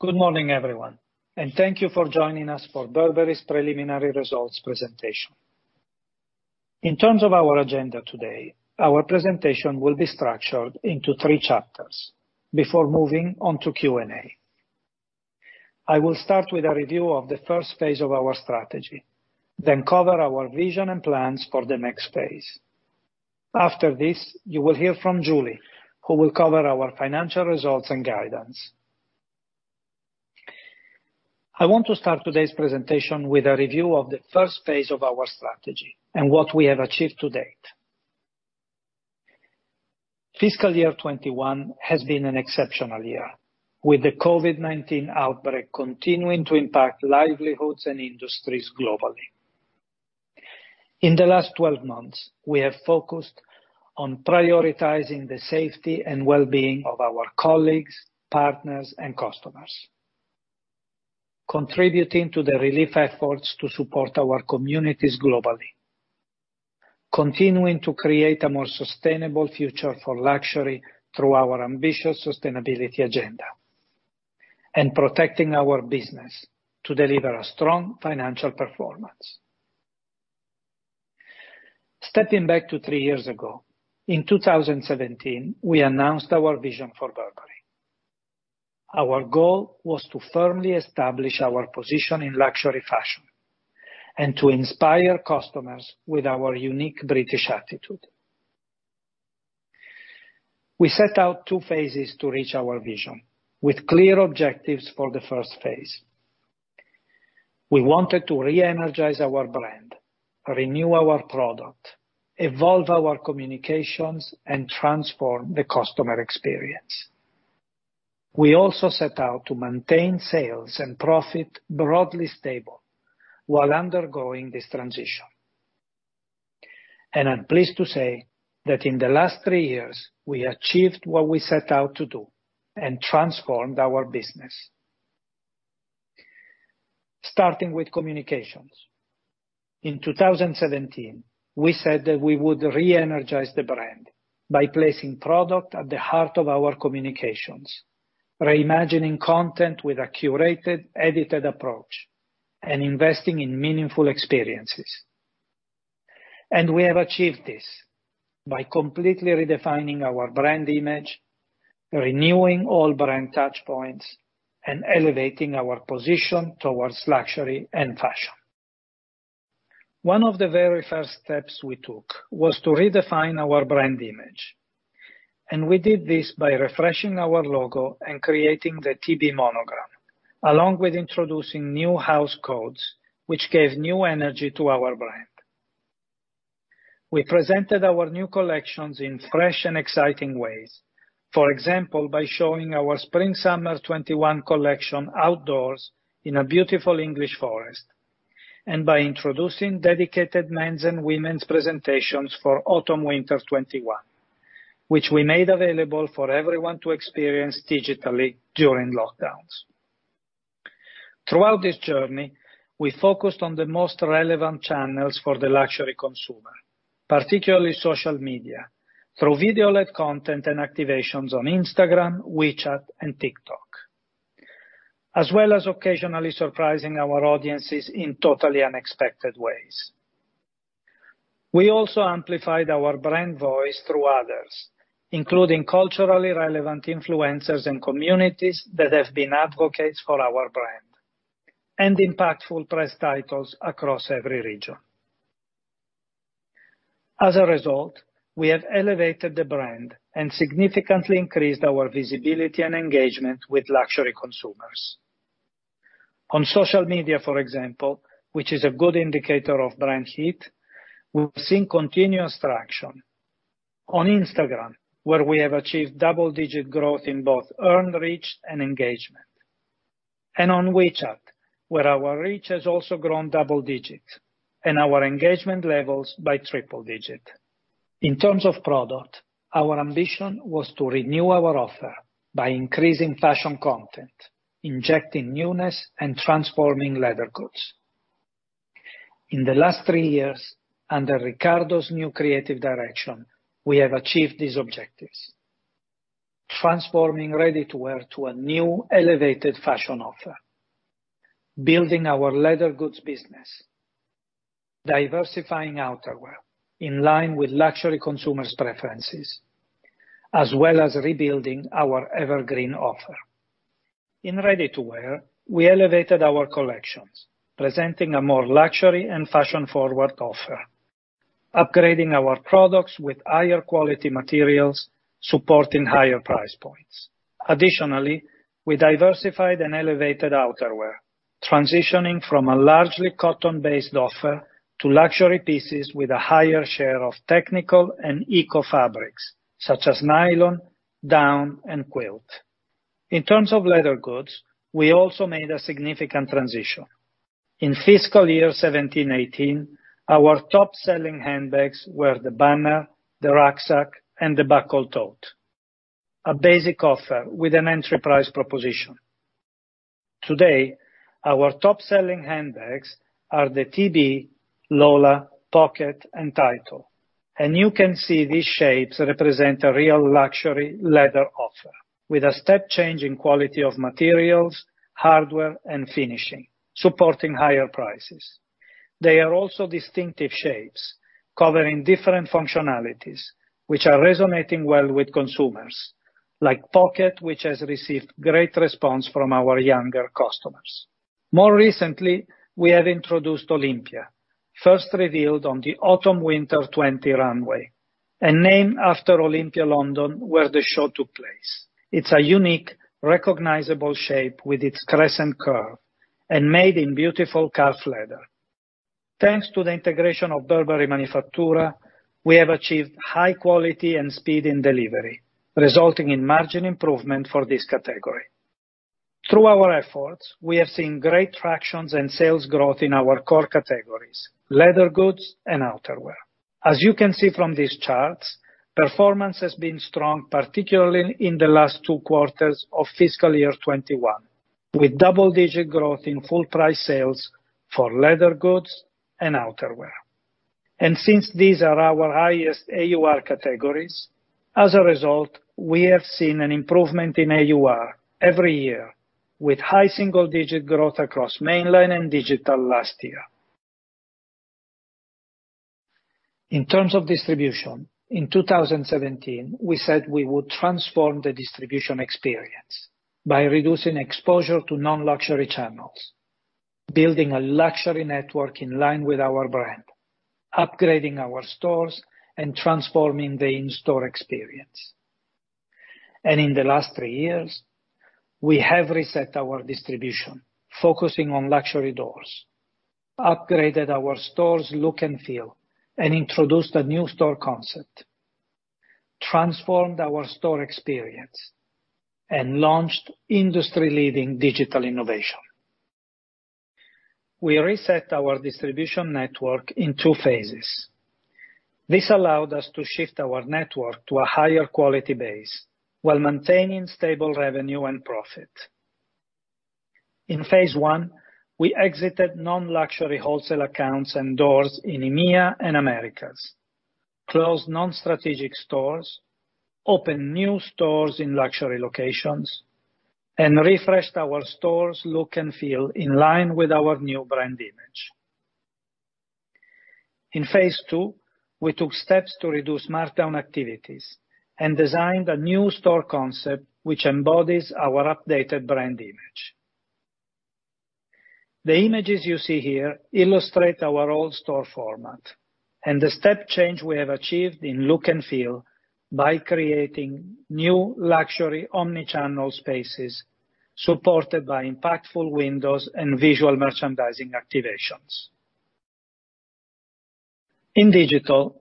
Good morning, everyone, and thank you for joining us for Burberry's preliminary results presentation. In terms of our agenda today, our presentation will be structured into three chapters before moving on to Q&A. I will start with a review of the first phase of our strategy, then cover our vision and plans for the next phase. After this, you will hear from Julie, who will cover our financial results and guidance. I want to start today's presentation with a review of the first phase of our strategy and what we have achieved to date. Fiscal year 2021 has been an exceptional year, with the COVID-19 outbreak continuing to impact livelihoods and industries globally. In the last 12 months, we have focused on prioritizing the safety and wellbeing of our colleagues, partners, and customers, contributing to the relief efforts to support our communities globally, continuing to create a more sustainable future for luxury through our ambitious sustainability agenda, and protecting our business to deliver a strong financial performance. Stepping back to three years ago, in 2017, we announced our vision for Burberry. Our goal was to firmly establish our position in luxury fashion and to inspire customers with our unique British attitude. We set out two phases to reach our vision with clear objectives for the first phase. We wanted to reenergize our brand, renew our product, evolve our communications, and transform the customer experience. We also set out to maintain sales and profit broadly stable while undergoing this transition. I'm pleased to say that in the last three years, we achieved what we set out to do and transformed our business. Starting with communications. In 2017, we said that we would reenergize the brand by placing product at the heart of our communications, reimagining content with a curated, edited approach, and investing in meaningful experiences. We have achieved this by completely redefining our brand image, renewing all brand touchpoints, and elevating our position towards luxury and fashion. One of the very first steps we took was to redefine our brand image, and we did this by refreshing our logo and creating the TB Monogram, along with introducing new house codes, which gave new energy to our brand. We presented our new collections in fresh and exciting ways. For example, by showing our spring-summer 2021 collection outdoors in a beautiful English forest, and by introducing dedicated men's and women's presentations for autumn-winter 2021, which we made available for everyone to experience digitally during lockdowns. Throughout this journey, we focused on the most relevant channels for the luxury consumer, particularly social media, through video-led content and activations on Instagram, WeChat, and TikTok, as well as occasionally surprising our audiences in totally unexpected ways. We also amplified our brand voice through others, including culturally relevant influencers and communities that have been advocates for our brand and impactful press titles across every region. As a result, we have elevated the brand and significantly increased our visibility and engagement with luxury consumers. On social media, for example, which is a good indicator of brand heat, we've seen continuous traction. On Instagram, where we have achieved double-digit growth in both earned reach and engagement, and on WeChat, where our reach has also grown double digits and our engagement levels by triple-digit. In terms of product, our ambition was to renew our offer by increasing fashion content, injecting newness, and transforming leather goods. In the last three years, under Riccardo's new creative direction, we have achieved these objectives, transforming ready-to-wear to a new elevated fashion offer, building our leather goods business, diversifying outerwear in line with luxury consumers' preferences, as well as rebuilding our evergreen offer. In ready-to-wear, we elevated our collections, presenting a more luxury and fashion-forward offer, upgrading our products with higher quality materials, supporting higher price points. Additionally, we diversified and elevated outerwear, transitioning from a largely cotton-based offer to luxury pieces with a higher share of technical and eco fabrics, such as nylon, down, and quilt. In terms of leather goods, we also made a significant transition. In fiscal year 2017-2018, our top-selling handbags were the Banner, the Rucksack, and the Buckle Tote, a basic offer with an entry price proposition. Today, our top-selling handbags are the TB, Lola, Pocket, and Title. You can see these shapes represent a real luxury leather offer, with a step change in quality of materials, hardware, and finishing, supporting higher prices. They are also distinctive shapes, covering different functionalities, which are resonating well with consumers, like Pocket, which has received great response from our younger customers. More recently, we have introduced Olympia, first revealed on the autumn-winter 2020 runway, and named after Olympia, London, where the show took place. It's a unique, recognizable shape with its crescent curve and made in beautiful calf leather. Thanks to the integration of Burberry Manifattura, we have achieved high quality and speed in delivery, resulting in margin improvement for this category. Through our efforts, we have seen great tractions and sales growth in our core categories: leather goods and outerwear. As you can see from these charts, performance has been strong, particularly in the last two quarters of fiscal year 2021, with double-digit growth in full price sales for leather goods and outerwear. Since these are our highest AUR categories, as a result, we have seen an improvement in AUR every year, with high single-digit growth across mainline and digital last year. In terms of distribution, in 2017, we said we would transform the distribution experience by reducing exposure to non-luxury channels, building a luxury network in line with our brand, upgrading our stores, and transforming the in-store experience. In the last three years, we have reset our distribution focusing on luxury doors, upgraded our stores' look and feel, and introduced a new store concept, transformed our store experience, and launched industry-leading digital innovation. We reset our distribution network in two phases. This allowed us to shift our network to a higher quality base while maintaining stable revenue and profit. In phase I, we exited non-luxury wholesale accounts and doors in EMEA and Americas, closed non-strategic stores, opened new stores in luxury locations, and refreshed our stores' look and feel in line with our new brand image. In phase II, we took steps to reduce markdown activities and designed a new store concept, which embodies our updated brand image. The images you see here illustrate our old store format and the step change we have achieved in look and feel by creating new luxury omni-channel spaces supported by impactful windows and visual merchandising activations. In digital,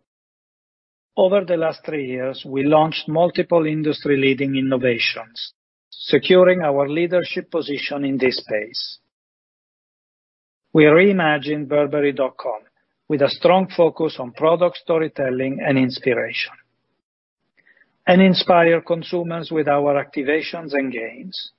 over the last three years, we launched multiple industry-leading innovations, securing our leadership position in this space. We reimagined burberry.com with a strong focus on product storytelling and inspiration and inspire consumers with our activations and games.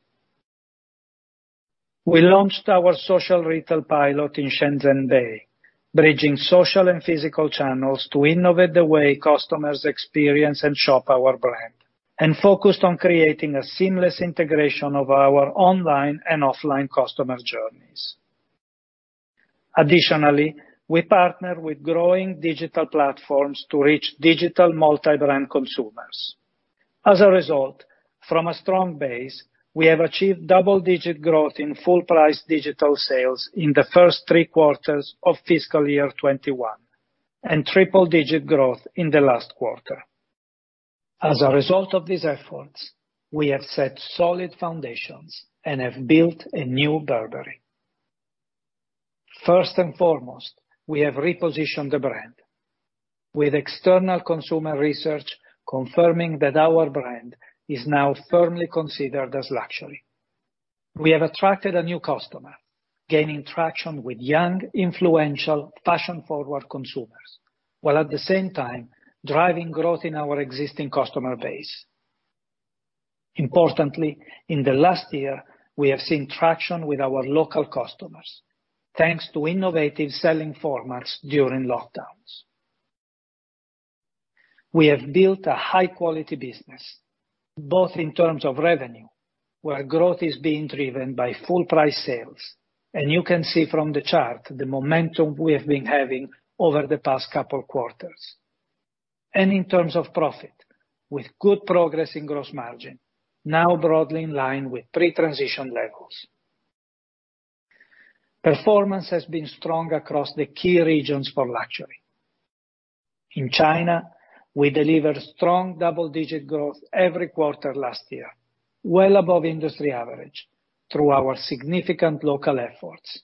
We launched our Social Retail pilot in Shenzhen Bay, bridging social and physical channels to innovate the way customers experience and shop our brand, and focused on creating a seamless integration of our online and offline customer journeys. Additionally, we partner with growing digital platforms to reach digital multi-brand consumers. As a result, from a strong base, we have achieved double-digit growth in full price digital sales in the first three quarters of fiscal year 2021, and triple-digit growth in the last quarter. As a result of these efforts, we have set solid foundations and have built a new Burberry. First and foremost, we have repositioned the brand with external consumer research confirming that our brand is now firmly considered as luxury. We have attracted a new customer, gaining traction with young, influential, fashion-forward consumers, while at the same time, driving growth in our existing customer base. Importantly, in the last year, we have seen traction with our local customers, thanks to innovative selling formats during lockdowns. We have built a high-quality business, both in terms of revenue, where growth is being driven by full price sales. You can see from the chart the momentum we have been having over the past couple quarters. In terms of profit, with good progress in gross margin, now broadly in line with pre-transition levels. Performance has been strong across the key regions for luxury. In China, we delivered strong double-digit growth every quarter last year, well above industry average, through our significant local efforts.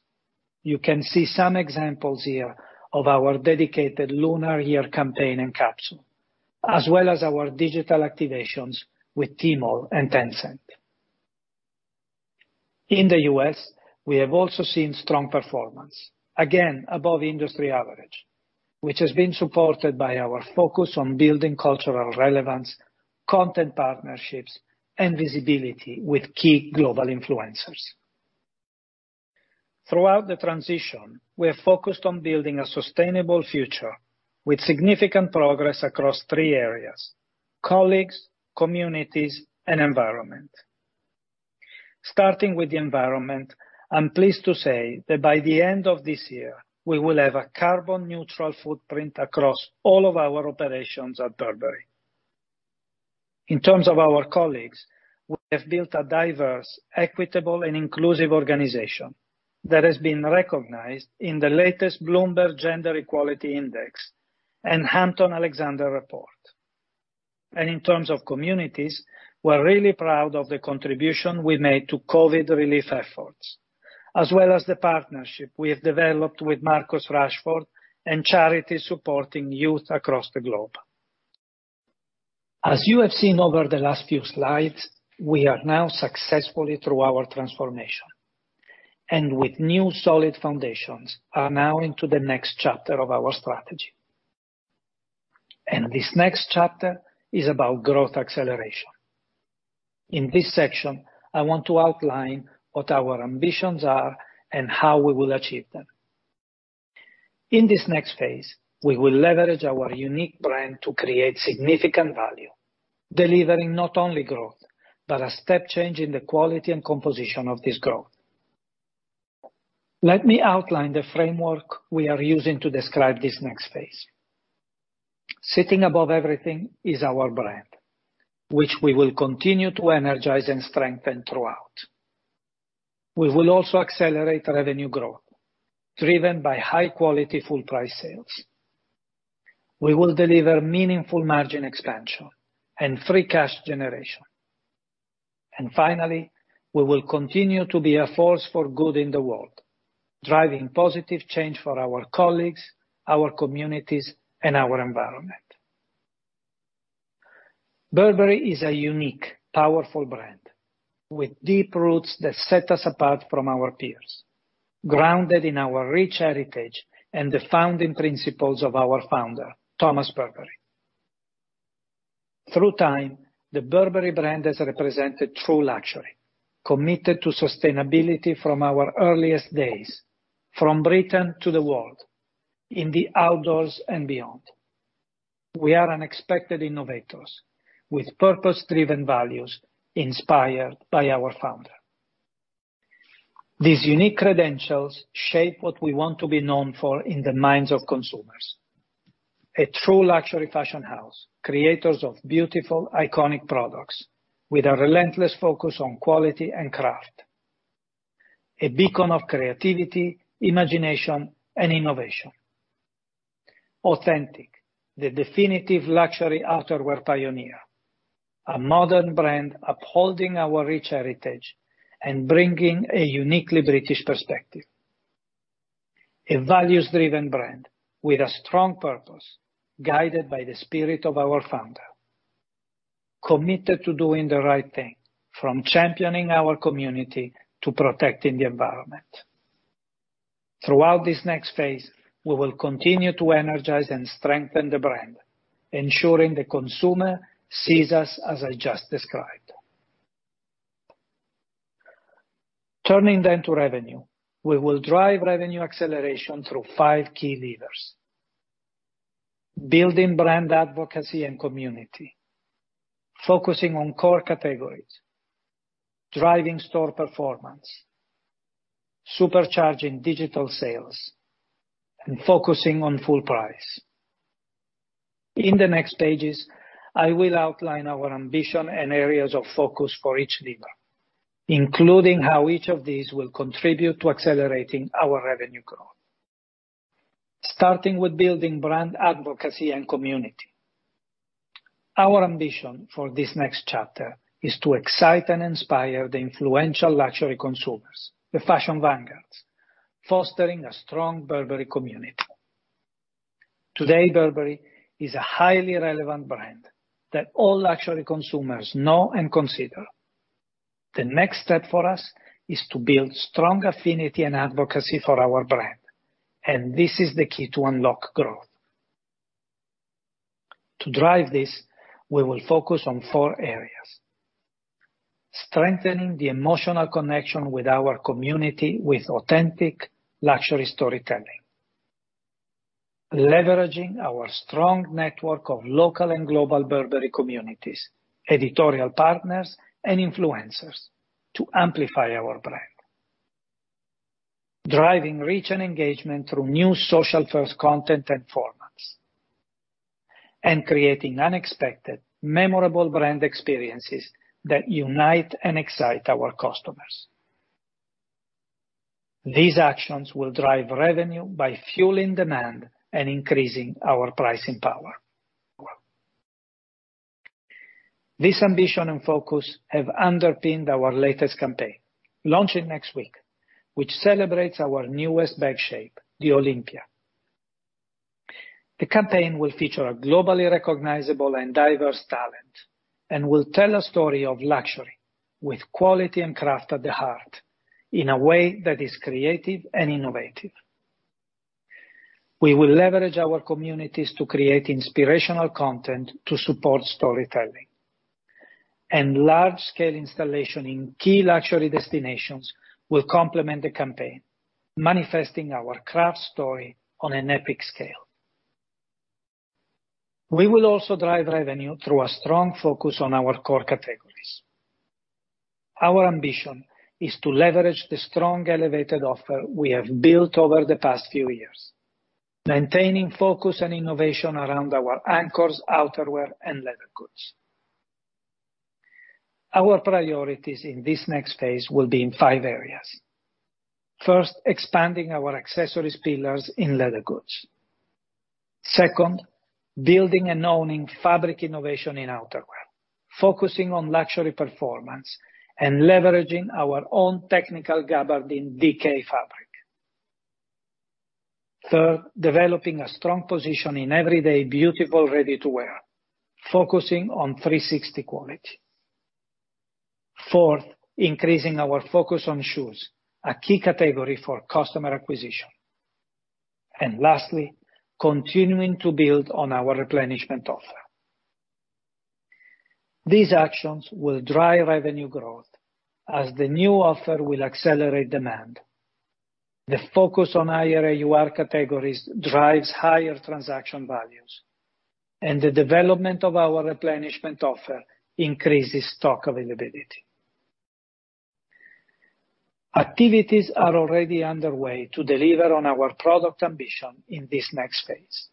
You can see some examples here of our dedicated Lunar Year campaign and capsule, as well as our digital activations with Tmall and Tencent. In the U.S., we have also seen strong performance, again, above industry average, which has been supported by our focus on building cultural relevance, content partnerships, and visibility with key global influencers. Throughout the transition, we have focused on building a sustainable future with significant progress across three areas: colleagues, communities, and environment. Starting with the environment, I'm pleased to say that by the end of this year, we will have a carbon neutral footprint across all of our operations at Burberry. In terms of our colleagues, we have built a diverse, equitable, and inclusive organization that has been recognized in the latest Bloomberg Gender-Equality Index and Hampton-Alexander Review. In terms of communities, we're really proud of the contribution we made to COVID-19 relief efforts, as well as the partnership we have developed with Marcus Rashford and charities supporting youth across the globe. As you have seen over the last few slides, we are now successfully through our transformation. With new solid foundations, are now into the next chapter of our strategy. This next chapter is about growth acceleration. In this section, I want to outline what our ambitions are and how we will achieve them. In this next phase, we will leverage our unique brand to create significant value, delivering not only growth, but a step change in the quality and composition of this growth. Let me outline the framework we are using to describe this next phase. Sitting above everything is our brand, which we will continue to energize and strengthen throughout. We will also accelerate revenue growth, driven by high-quality full price sales. We will deliver meaningful margin expansion and free cash generation. Finally, we will continue to be a force for good in the world, driving positive change for our colleagues, our communities, and our environment. Burberry is a unique, powerful brand with deep roots that set us apart from our peers, grounded in our rich heritage and the founding principles of our founder, Thomas Burberry. Through time, the Burberry brand has represented true luxury, committed to sustainability from our earliest days, from Britain to the world, in the outdoors and beyond. We are unexpected innovators with purpose-driven values inspired by our founder. These unique credentials shape what we want to be known for in the minds of consumers. A true luxury fashion house, creators of beautiful, iconic products with a relentless focus on quality and craft. A beacon of creativity, imagination, and innovation. Authentic, the definitive luxury outerwear pioneer. A modern brand upholding our rich heritage and bringing a uniquely British perspective. A values-driven brand with a strong purpose, guided by the spirit of our founder. Committed to doing the right thing, from championing our community to protecting the environment. Throughout this next phase, we will continue to energize and strengthen the brand, ensuring the consumer sees us as I just described. Turning to revenue, we will drive revenue acceleration through five key levers: Building brand advocacy and community, focusing on core categories, driving store performance, supercharging digital sales, and focusing on full price. In the next pages, I will outline our ambition and areas of focus for each lever, including how each of these will contribute to accelerating our revenue growth. Starting with building brand advocacy and community, our ambition for this next chapter is to excite and inspire the influential luxury consumers, the fashion vanguards, fostering a strong Burberry community. Today, Burberry is a highly relevant brand that all luxury consumers know and consider. The next step for us is to build strong affinity and advocacy for our brand, this is the key to unlock growth. To drive this, we will focus on four areas: strengthening the emotional connection with our community with authentic luxury storytelling, leveraging our strong network of local and global Burberry communities, editorial partners, and influencers to amplify our brand, driving reach and engagement through new social first content and formats, and creating unexpected, memorable brand experiences that unite and excite our customers. These actions will drive revenue by fueling demand and increasing our pricing power. This ambition and focus have underpinned our latest campaign, launching next week, which celebrates our newest bag shape, the Olympia. The campaign will feature a globally recognizable and diverse talent. Will tell a story of luxury with quality and craft at the heart in a way that is creative and innovative. We will leverage our communities to create inspirational content to support storytelling. Large-scale installation in key luxury destinations will complement the campaign, manifesting our craft story on an epic scale. We will also drive revenue through a strong focus on our core categories. Our ambition is to leverage the strong, elevated offer we have built over the past few years, maintaining focus and innovation around our anchors, outerwear, and leather goods. Our priorities in this next phase will be in five areas. First, expanding our accessories pillars in leather goods. Second, building and owning fabric innovation in outerwear, focusing on luxury performance, and leveraging our own technical gabardine fabric. Third, developing a strong position in everyday beautiful ready-to-wear, focusing on 360 quality. Fourth, increasing our focus on shoes, a key category for customer acquisition. Lastly, continuing to build on our replenishment offer. These actions will drive revenue growth as the new offer will accelerate demand. The focus on higher AUR categories drives higher transaction values, and the development of our replenishment offer increases stock availability. Activities are already underway to deliver on our product ambition in this next phase.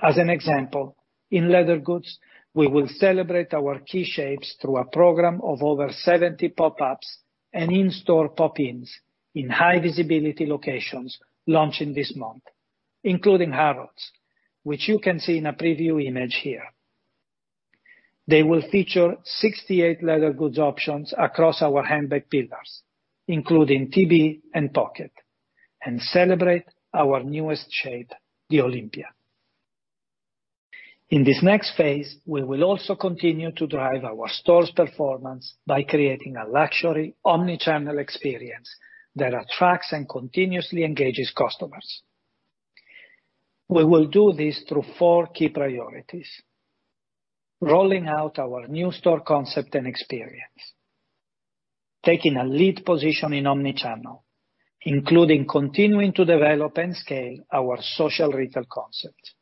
As an example, in leather goods, we will celebrate our key shapes through a program of over 70 pop-ups and in-store pop-ins in high-visibility locations launching this month, including Harrods, which you can see in a preview image here. They will feature 68 leather goods options across our handbag pillars, including TB and Pocket, and celebrate our newest shape, the Olympia. In this next phase, we will also continue to drive our stores' performance by creating a luxury omni-channel experience that attracts and continuously engages customers. We will do this through four key priorities. Rolling out our new store concept and experience. Taking a lead position in omni-channel, including continuing to develop and scale our Social Retail concept.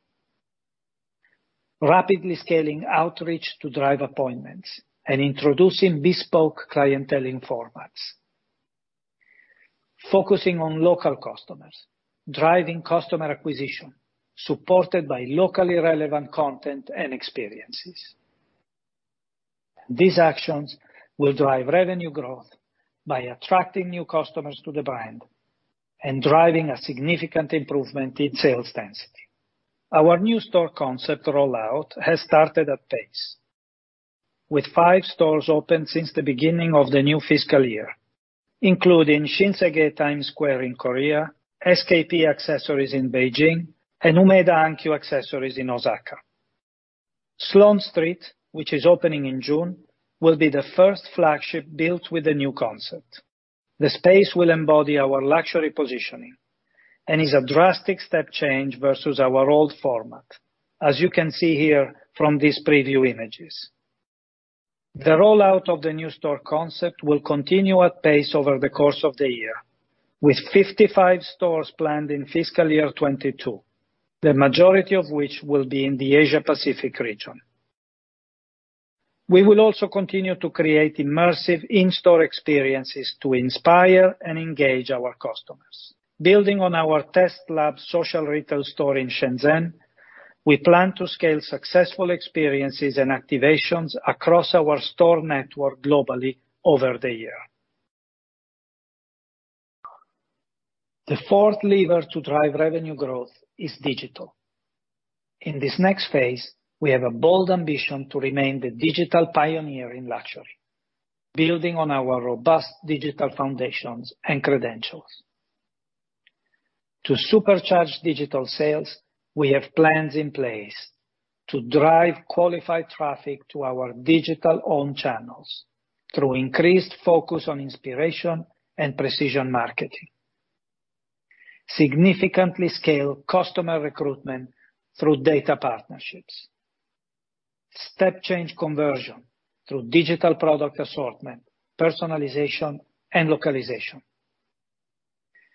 Rapidly scaling outreach to drive appointments and introducing bespoke clienteling formats. Focusing on local customers, driving customer acquisition, supported by locally relevant content and experiences. These actions will drive revenue growth by attracting new customers to the brand and driving a significant improvement in sales density. Our new store concept rollout has started at pace, with five stores open since the beginning of the new fiscal year, including Shinsegae Times Square in Korea, SKP Accessories in Beijing, and Umeda Hankyu Accessories in Osaka. Sloane Street, which is opening in June, will be the first flagship built with the new concept. The space will embody our luxury positioning and is a drastic step change versus our old format, as you can see here from these preview images. The rollout of the new store concept will continue at pace over the course of the year, with 55 stores planned in fiscal year 2022, the majority of which will be in the Asia Pacific region. We will also continue to create immersive in-store experiences to inspire and engage our customers. Building on our test lab Social Retail store in Shenzhen, we plan to scale successful experiences and activations across our store network globally over the year. The fourth lever to drive revenue growth is digital. In this next phase, we have a bold ambition to remain the digital pioneer in luxury, building on our robust digital foundations and credentials. To supercharge digital sales, we have plans in place to drive qualified traffic to our digital owned channels through increased focus on inspiration and precision marketing, significantly scale customer recruitment through data partnerships, step change conversion through digital product assortment, personalization, and localization,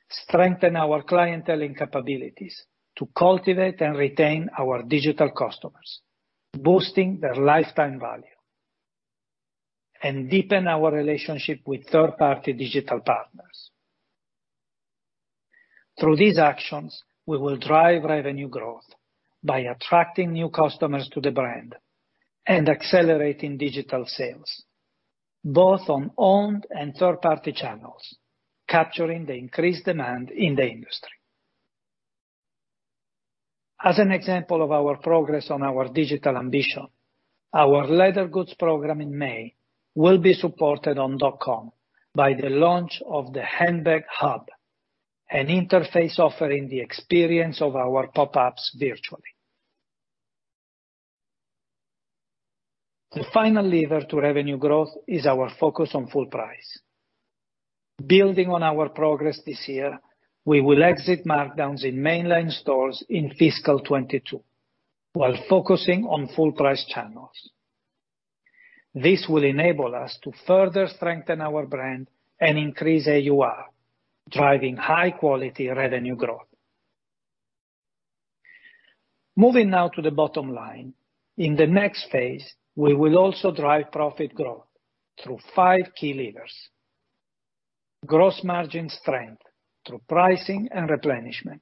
strengthen our clienteling capabilities to cultivate and retain our digital customers, boosting their lifetime value, and deepen our relationship with third-party digital partners. Through these actions, we will drive revenue growth by attracting new customers to the brand and accelerating digital sales, both on owned and third-party channels, capturing the increased demand in the industry. As an example of our progress on our digital ambition, our leather goods program in May will be supported on burberry.com by the launch of the handbag hub, an interface offering the experience of our pop-ups virtually. The final lever to revenue growth is our focus on full price. Building on our progress this year, we will exit markdowns in mainline stores in fiscal 2022 while focusing on full price channels. This will enable us to further strengthen our brand and increase AUR, driving high-quality revenue growth. Moving now to the bottom line. In the next phase, we will also drive profit growth through five key levers. Gross margin strength through pricing and replenishment,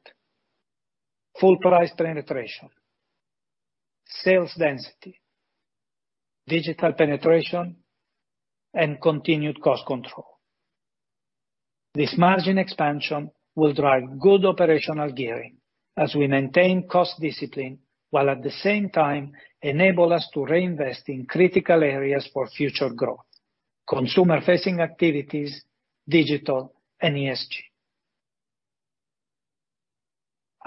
full price penetration, sales density, digital penetration, and continued cost control. This margin expansion will drive good operational gearing as we maintain cost discipline, while at the same time enable us to reinvest in critical areas for future growth, consumer-facing activities, digital and ESG.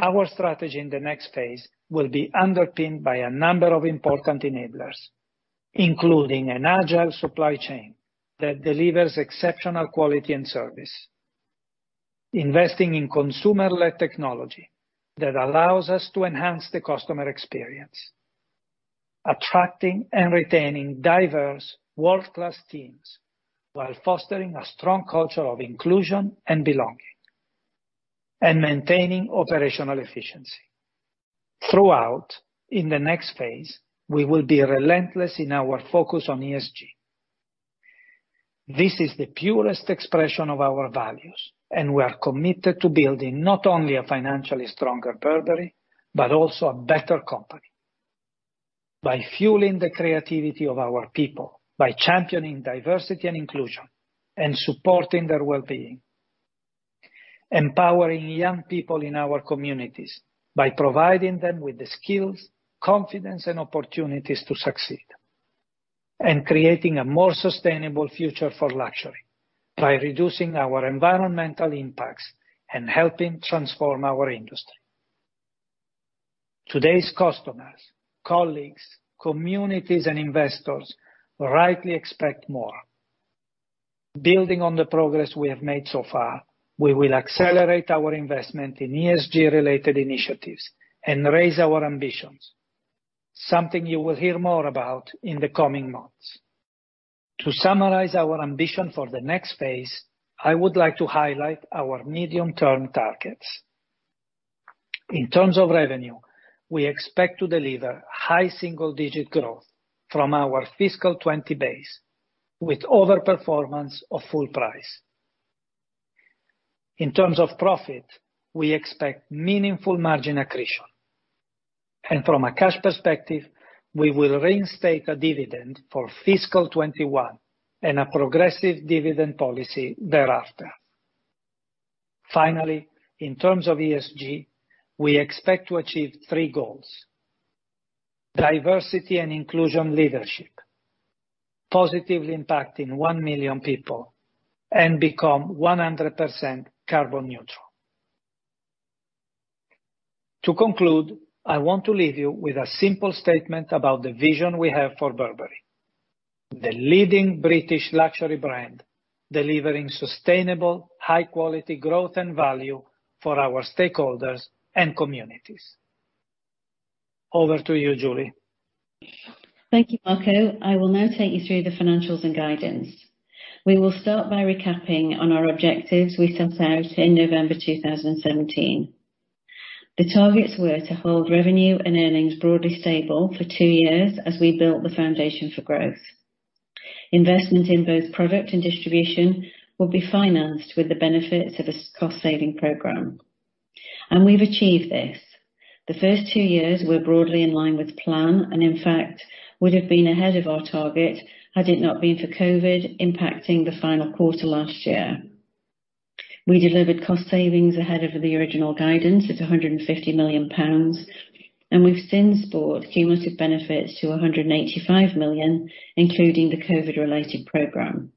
Our strategy in the next phase will be underpinned by a number of important enablers, including an agile supply chain that delivers exceptional quality and service. Investing in consumer-led technology that allows us to enhance the customer experience. Attracting and retaining diverse world-class teams while fostering a strong culture of inclusion and belonging, and maintaining operational efficiency. Throughout, in the next phase, we will be relentless in our focus on ESG. This is the purest expression of our values, and we are committed to building not only a financially stronger Burberry, but also a better company by fueling the creativity of our people, by championing diversity and inclusion, and supporting their wellbeing. Empowering young people in our communities by providing them with the skills, confidence, and opportunities to succeed, and creating a more sustainable future for luxury by reducing our environmental impacts and helping transform our industry. Today's customers, colleagues, communities, and investors rightly expect more. Building on the progress we have made so far, we will accelerate our investment in ESG-related initiatives and raise our ambitions. Something you will hear more about in the coming months. To summarize our ambition for the next phase, I would like to highlight our medium-term targets. In terms of revenue, we expect to deliver high single-digit growth from our fiscal 2020 base, with overperformance of full price. In terms of profit, we expect meaningful margin accretion. From a cash perspective, we will reinstate a dividend for fiscal 2021, and a progressive dividend policy thereafter. Finally, in terms of ESG, we expect to achieve three goals. Diversity and inclusion leadership, positively impacting 1 million people, and become 100% carbon neutral. To conclude, I want to leave you with a simple statement about the vision we have for Burberry. The leading British luxury brand, delivering sustainable, high-quality growth and value for our stakeholders and communities. Over to you, Julie. Thank you, Marco. I will now take you through the financials and guidance. We will start by recapping on our objectives we set out in November 2017. The targets were to hold revenue and earnings broadly stable for two years as we built the foundation for growth. Investment in both product and distribution will be financed with the benefits of a cost-saving program. We've achieved this. The first two years were broadly in line with plan, and in fact, would have been ahead of our target had it not been for COVID impacting the final quarter last year. We delivered cost savings ahead of the original guidance of 150 million pounds, and we've since brought cumulative benefits to 185 million, including the COVID-related program.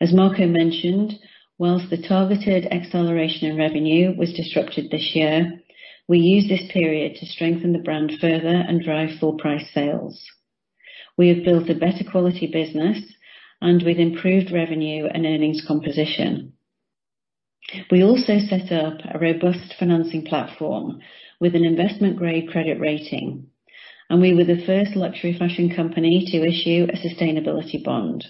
As Marco mentioned, whilst the targeted acceleration in revenue was disrupted this year, we used this period to strengthen the brand further and drive full price sales. We have built a better quality business and with improved revenue and earnings composition. We also set up a robust financing platform with an investment-grade credit rating, and we were the first luxury fashion company to issue a Sustainability Bond.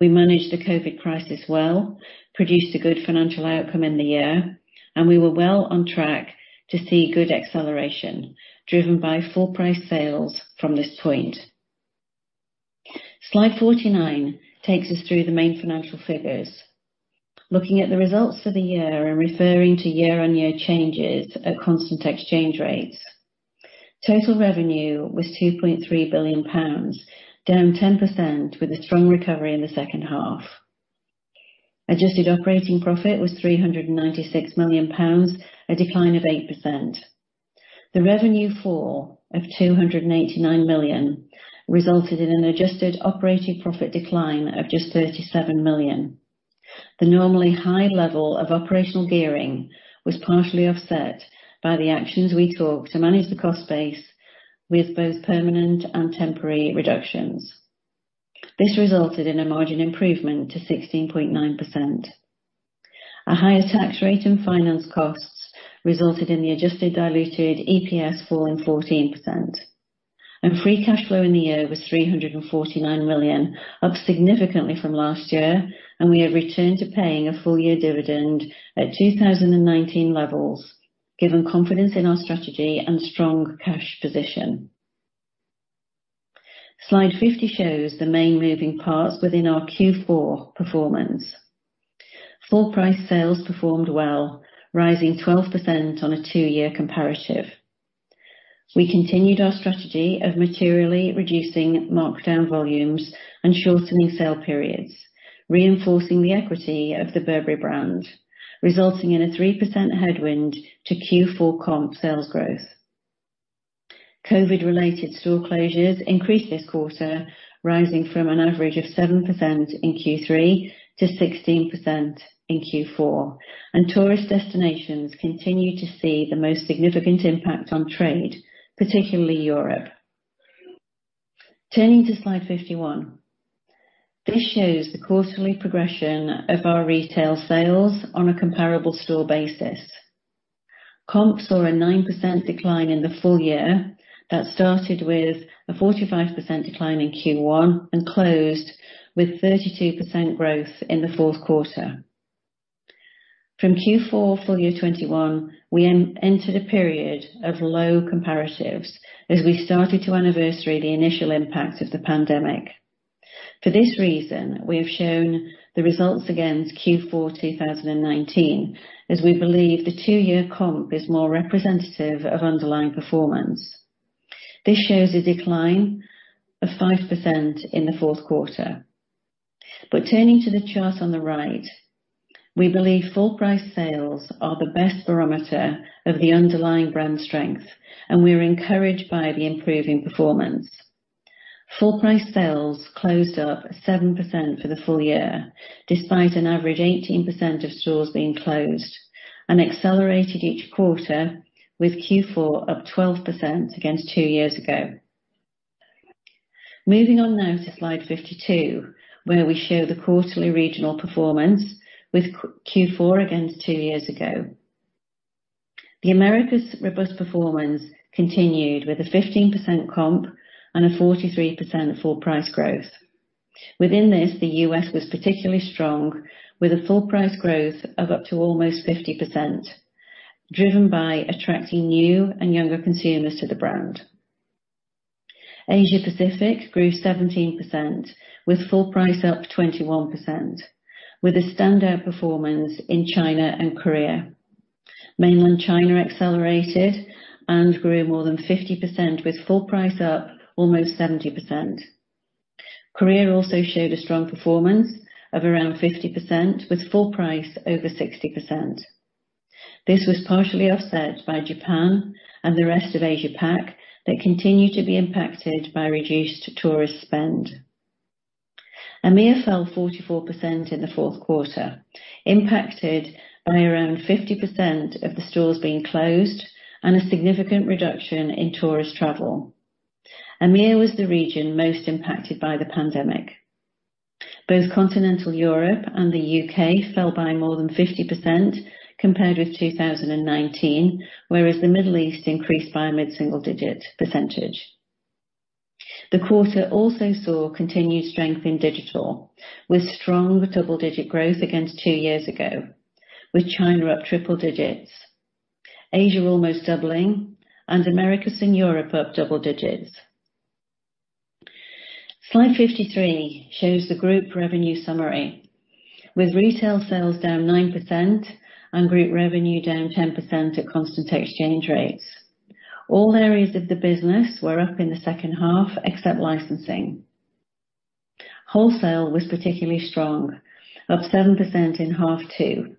We managed the COVID crisis well, produced a good financial outcome in the year, and we were well on track to see good acceleration driven by full price sales from this point. Slide 49 takes us through the main financial figures. Looking at the results for the year and referring to year-on-year changes at constant exchange rates. Total revenue was 2.3 billion pounds, down 10% with a strong recovery in the second half. Adjusted operating profit was £396 million, a decline of 8%. The revenue fall of 289 million resulted in an adjusted operating profit decline of just 37 million. The normally high level of operational gearing was partially offset by the actions we took to manage the cost base with both permanent and temporary reductions. This resulted in a margin improvement to 16.9%. A higher tax rate and finance costs resulted in the adjusted diluted EPS falling 14%. Free cash flow in the year was 349 million, up significantly from last year, and we have returned to paying a full year dividend at 2019 levels, given confidence in our strategy and strong cash position. Slide 50 shows the main moving parts within our Q4 performance. Full price sales performed well, rising 12% on a two-year comparative. We continued our strategy of materially reducing markdown volumes and shortening sale periods, reinforcing the equity of the Burberry brand, resulting in a 3% headwind to Q4 comp sales growth. COVID-19-related store closures increased this quarter, rising from an average of 7% in Q3 to 16% in Q4. Tourist destinations continue to see the most significant impact on trade, particularly Europe. Turning to slide 51. This shows the quarterly progression of our retail sales on a comparable store basis. Comps saw a 9% decline in the full year that started with a 45% decline in Q1 and closed with 32% growth in the fourth quarter. From Q4 full year 2021, we entered a period of low comparatives as we started to anniversary the initial impact of the pandemic. For this reason, we have shown the results against Q4 2019, as we believe the two-year comp is more representative of underlying performance. This shows a decline of 5% in the fourth quarter. Turning to the chart on the right, we believe full price sales are the best barometer of the underlying brand strength, and we’re encouraged by the improving performance. Full price sales closed up 7% for the full year, despite an average 18% of stores being closed and accelerated each quarter, with Q4 up 12% against two years ago. Moving on now to slide 52, where we show the quarterly regional performance with Q4 against two years ago. The Americas’ robust performance continued with a 15% comp and a 43% full price growth. Within this, the U.S. was particularly strong with a full price growth of up to almost 50%, driven by attracting new and younger consumers to the brand. Asia-Pacific grew 17%, with full price up 21%, with a standout performance in China and Korea. Mainland China accelerated and grew more than 50%, with full price up almost 70%. Korea also showed a strong performance of around 50%, with full price over 60%. This was partially offset by Japan and the rest of Asia-Pac that continue to be impacted by reduced tourist spend. EMEA fell 44% in the fourth quarter, impacted by around 50% of the stores being closed and a significant reduction in tourist travel. EMEA was the region most impacted by the pandemic. Both Continental Europe and the U.K. fell by more than 50% compared with 2019, whereas the Middle East increased by a mid-single-digit percentage. The quarter also saw continued strength in digital, with strong double-digit growth against two years ago, with China up triple digits, Asia almost doubling, and Americas and Europe up double digits. Slide 53 shows the group revenue summary with retail sales down 9% and group revenue down 10% at constant exchange rates. All areas of the business were up in the second half except licensing. Wholesale was particularly strong, up 7% in half two.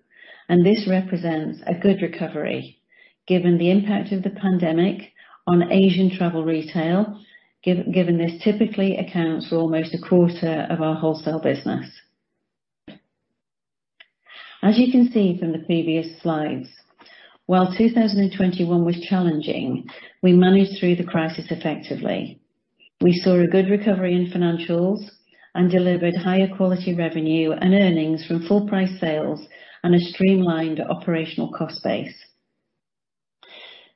This represents a good recovery given the impact of the pandemic on Asian travel retail, given this typically accounts for almost a quarter of our wholesale business. As you can see from the previous slides, while 2021 was challenging, we managed through the crisis effectively. We saw a good recovery in financials and delivered higher quality revenue and earnings from full price sales and a streamlined operational cost base.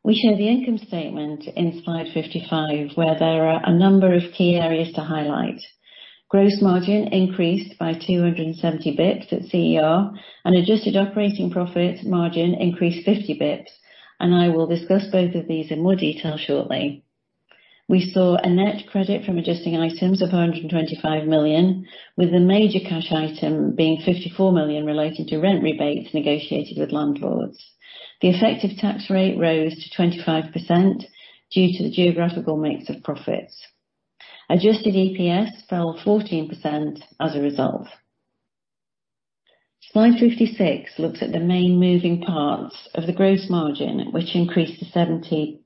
We show the income statement in slide 55, where there are a number of key areas to highlight. Gross margin increased by 270 basis points at CER, adjusted operating profits margin increased 50 basis points, and I will discuss both of these in more detail shortly. We saw a net credit from adjusting items of 125 million, with the major cash item being 54 million related to rent rebates negotiated with landlords. The effective tax rate rose to 25% due to the geographical mix of profits. Adjusted EPS fell 14% as a result. Slide 56 looks at the main moving parts of the gross margin, which increased to 70%.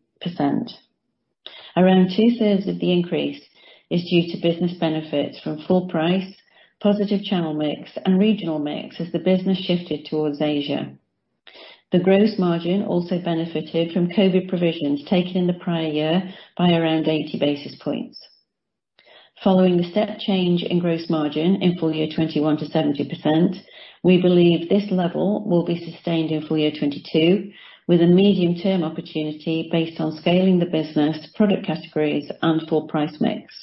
Around two-thirds of the increase is due to business benefits from full price, positive channel mix, and regional mix as the business shifted towards Asia. The gross margin also benefited from COVID provisions taken in the prior year by around 80 basis points. Following the step change in gross margin in full year 2021 to 70%, we believe this level will be sustained in full year 2022, with a medium-term opportunity based on scaling the business to product categories and full price mix.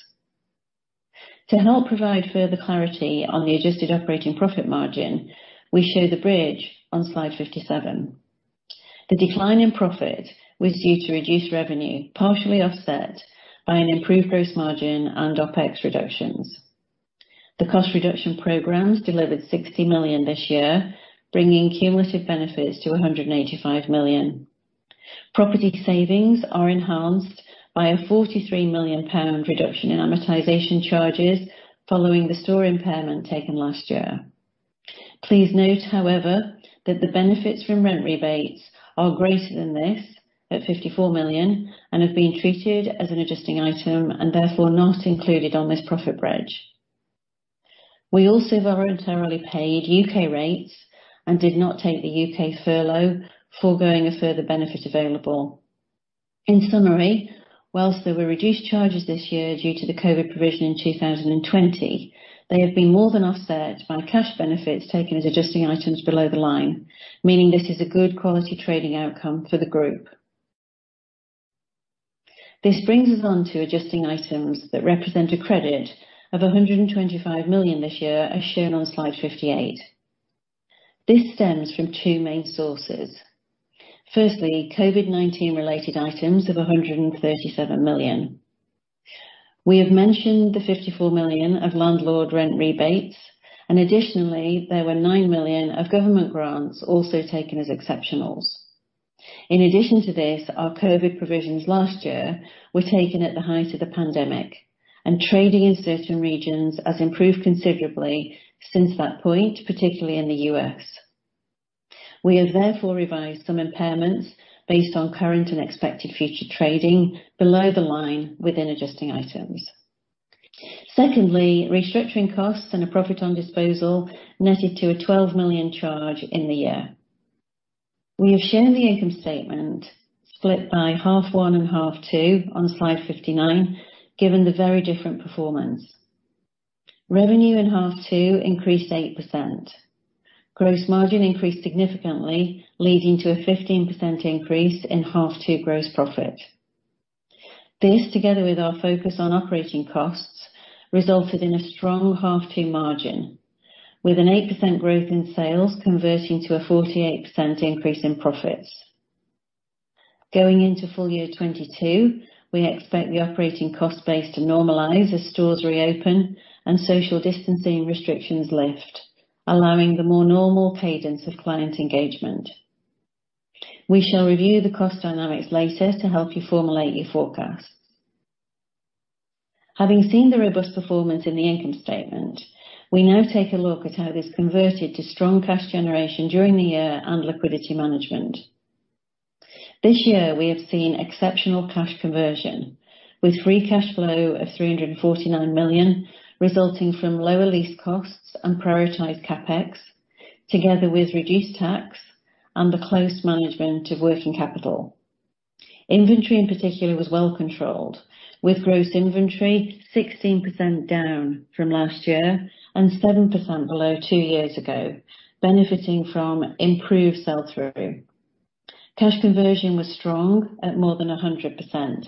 To help provide further clarity on the adjusted operating profit margin, we show the bridge on Slide 57. The decline in profit was due to reduced revenue, partially offset by an improved gross margin and OpEx reductions. The cost reduction programs delivered 60 million this year, bringing cumulative benefits to 185 million. Property savings are enhanced by a 34 million pound reduction in amortization charges following the store impairment taken last year. Please note, however, that the benefits from rent rebates are greater than this at 54 million and have been treated as an adjusting item and therefore not included on this profit bridge. We also voluntarily paid U.K. rates and did not take the U.K. furlough, foregoing a further benefit available. In summary, whilst there were reduced charges this year due to the COVID provision in 2020, they have been more than offset by cash benefits taken as adjusting items below the line, meaning this is a good quality trading outcome for the group. This brings us on to adjusting items that represent a credit of 125 million this year, as shown on Slide 58. This stems from two main sources. Firstly, COVID-19 related items of 137 million. We have mentioned the 54 million of landlord rent rebates. Additionally, there were 9 million of government grants also taken as exceptionals. In addition to this, our COVID provisions last year were taken at the height of the pandemic. Trading in certain regions has improved considerably since that point, particularly in the U.S. We have therefore revised some impairments based on current and expected future trading below the line within adjusting items. Secondly, restructuring costs and a profit on disposal netted to a 12 million charge in the year. We have shown the income statement split by half one and half two on Slide 59, given the very different performance. Revenue in half two increased 8%. Gross margin increased significantly, leading to a 15% increase in half two gross profit. This, together with our focus on operating costs, resulted in a strong half two margin, with an 8% growth in sales converting to a 48% increase in profits. Going into full year 2022, we expect the operating cost base to normalize as stores reopen and social distancing restrictions lift, allowing the more normal cadence of client engagement. We shall review the cost dynamics later to help you formulate your forecasts. Having seen the robust performance in the income statement, we now take a look at how this converted to strong cash generation during the year and liquidity management. This year we have seen exceptional cash conversion with free cash flow of 349 million, resulting from lower lease costs and prioritized CapEx, together with reduced tax and the close management of working capital. Inventory in particular was well controlled, with gross inventory 16% down from last year and 7% below two years ago, benefiting from improved sell-through. Cash conversion was strong at more than 100%.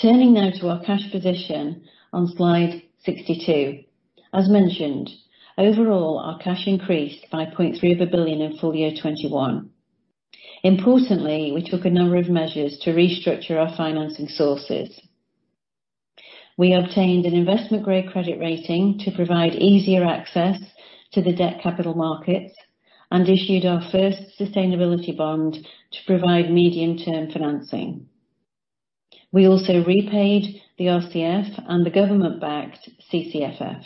Turning now to our cash position on Slide 62. As mentioned, overall, our cash increased by 0.3 billion in full year 2021. Importantly, we took a number of measures to restructure our financing sources. We obtained an investment-grade credit rating to provide easier access to the debt capital markets and issued our first Sustainability Bond to provide medium-term financing. We also repaid the RCF and the government-backed CCFF.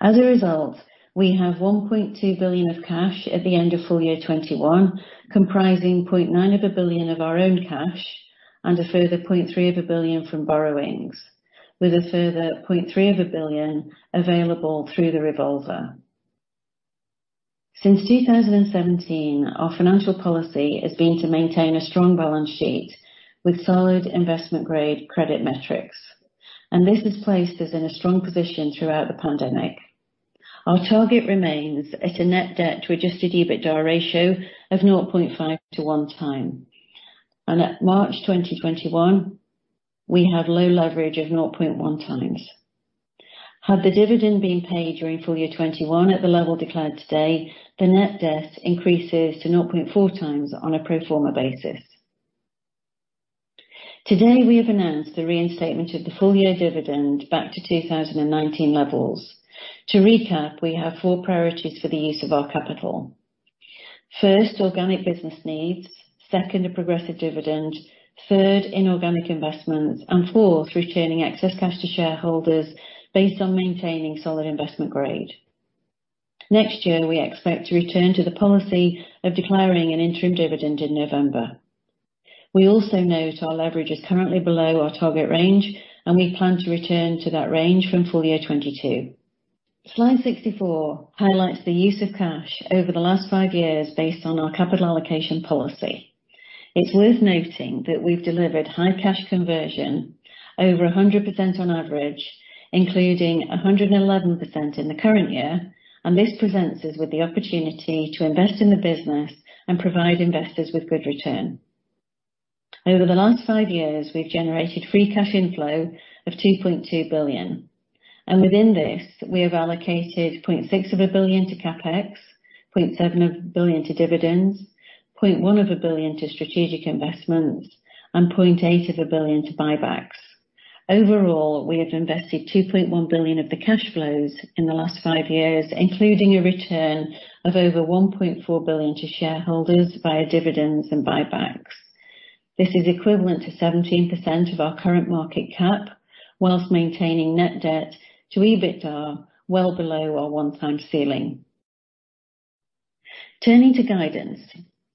As a result, we have 1.2 billion of cash at the end of full year 2021, comprising 0.9 billion of our own cash and a further 0.3 billion from borrowings, with a further 0.3 billion available through the revolver. Since 2017, our financial policy has been to maintain a strong balance sheet with solid investment-grade credit metrics, and this has placed us in a strong position throughout the pandemic. Our target remains at a net debt to adjusted EBITDA ratio of 0.5x-1x. At March 2021, we had low leverage of 0.1x. Had the dividend been paid during full year 2021 at the level declared today, the net debt increases to 0.4x on a pro forma basis. Today, we have announced the reinstatement of the full-year dividend back to 2019 levels. To recap, we have four priorities for the use of our capital. First, organic business needs, second, a progressive dividend, third, inorganic investments, and fourth, returning excess cash to shareholders based on maintaining solid investment grade. Next year, we expect to return to the policy of declaring an interim dividend in November. We also note our leverage is currently below our target range. We plan to return to that range from full year 2022. Slide 64 highlights the use of cash over the last five years based on our capital allocation policy. It's worth noting that we've delivered high cash conversion over 100% on average, including 111% in the current year, this presents us with the opportunity to invest in the business and provide investors with good return. Over the last five years, we've generated free cash inflow of 2.2 billion. Within this, we have allocated 0.6 billion to CapEx, 0.7 billion to dividends, 0.1 billion to strategic investments, and 0.8 billion to buybacks. Overall, we have invested 2.1 billion of the cash flows in the last five years, including a return of over 1.4 billion to shareholders via dividends and buybacks. This is equivalent to 17% of our current market cap whilst maintaining net debt to EBITDA, well below our one-time ceiling. Turning to guidance,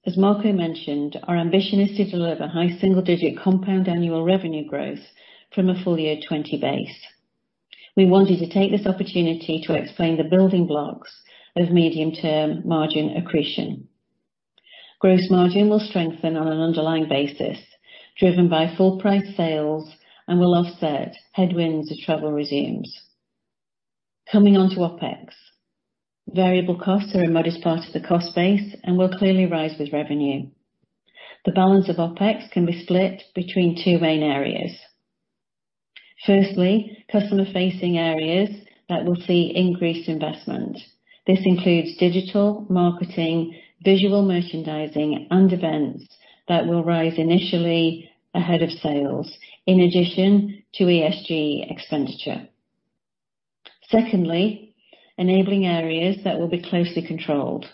as Marco mentioned, our ambition is to deliver high single-digit compound annual revenue growth from a full year 2020 base. We wanted to take this opportunity to explain the building blocks of medium-term margin accretion. Gross margin will strengthen on an underlying basis, driven by full price sales and will offset headwinds as travel resumes. Coming on to OpEx. Variable costs are a modest part of the cost base and will clearly rise with revenue. The balance of OpEx can be split between two main areas. Firstly, customer-facing areas that will see increased investment. This includes digital marketing, visual merchandising, and events that will rise initially ahead of sales in addition to ESG expenditure. Secondly, enabling areas that will be closely controlled.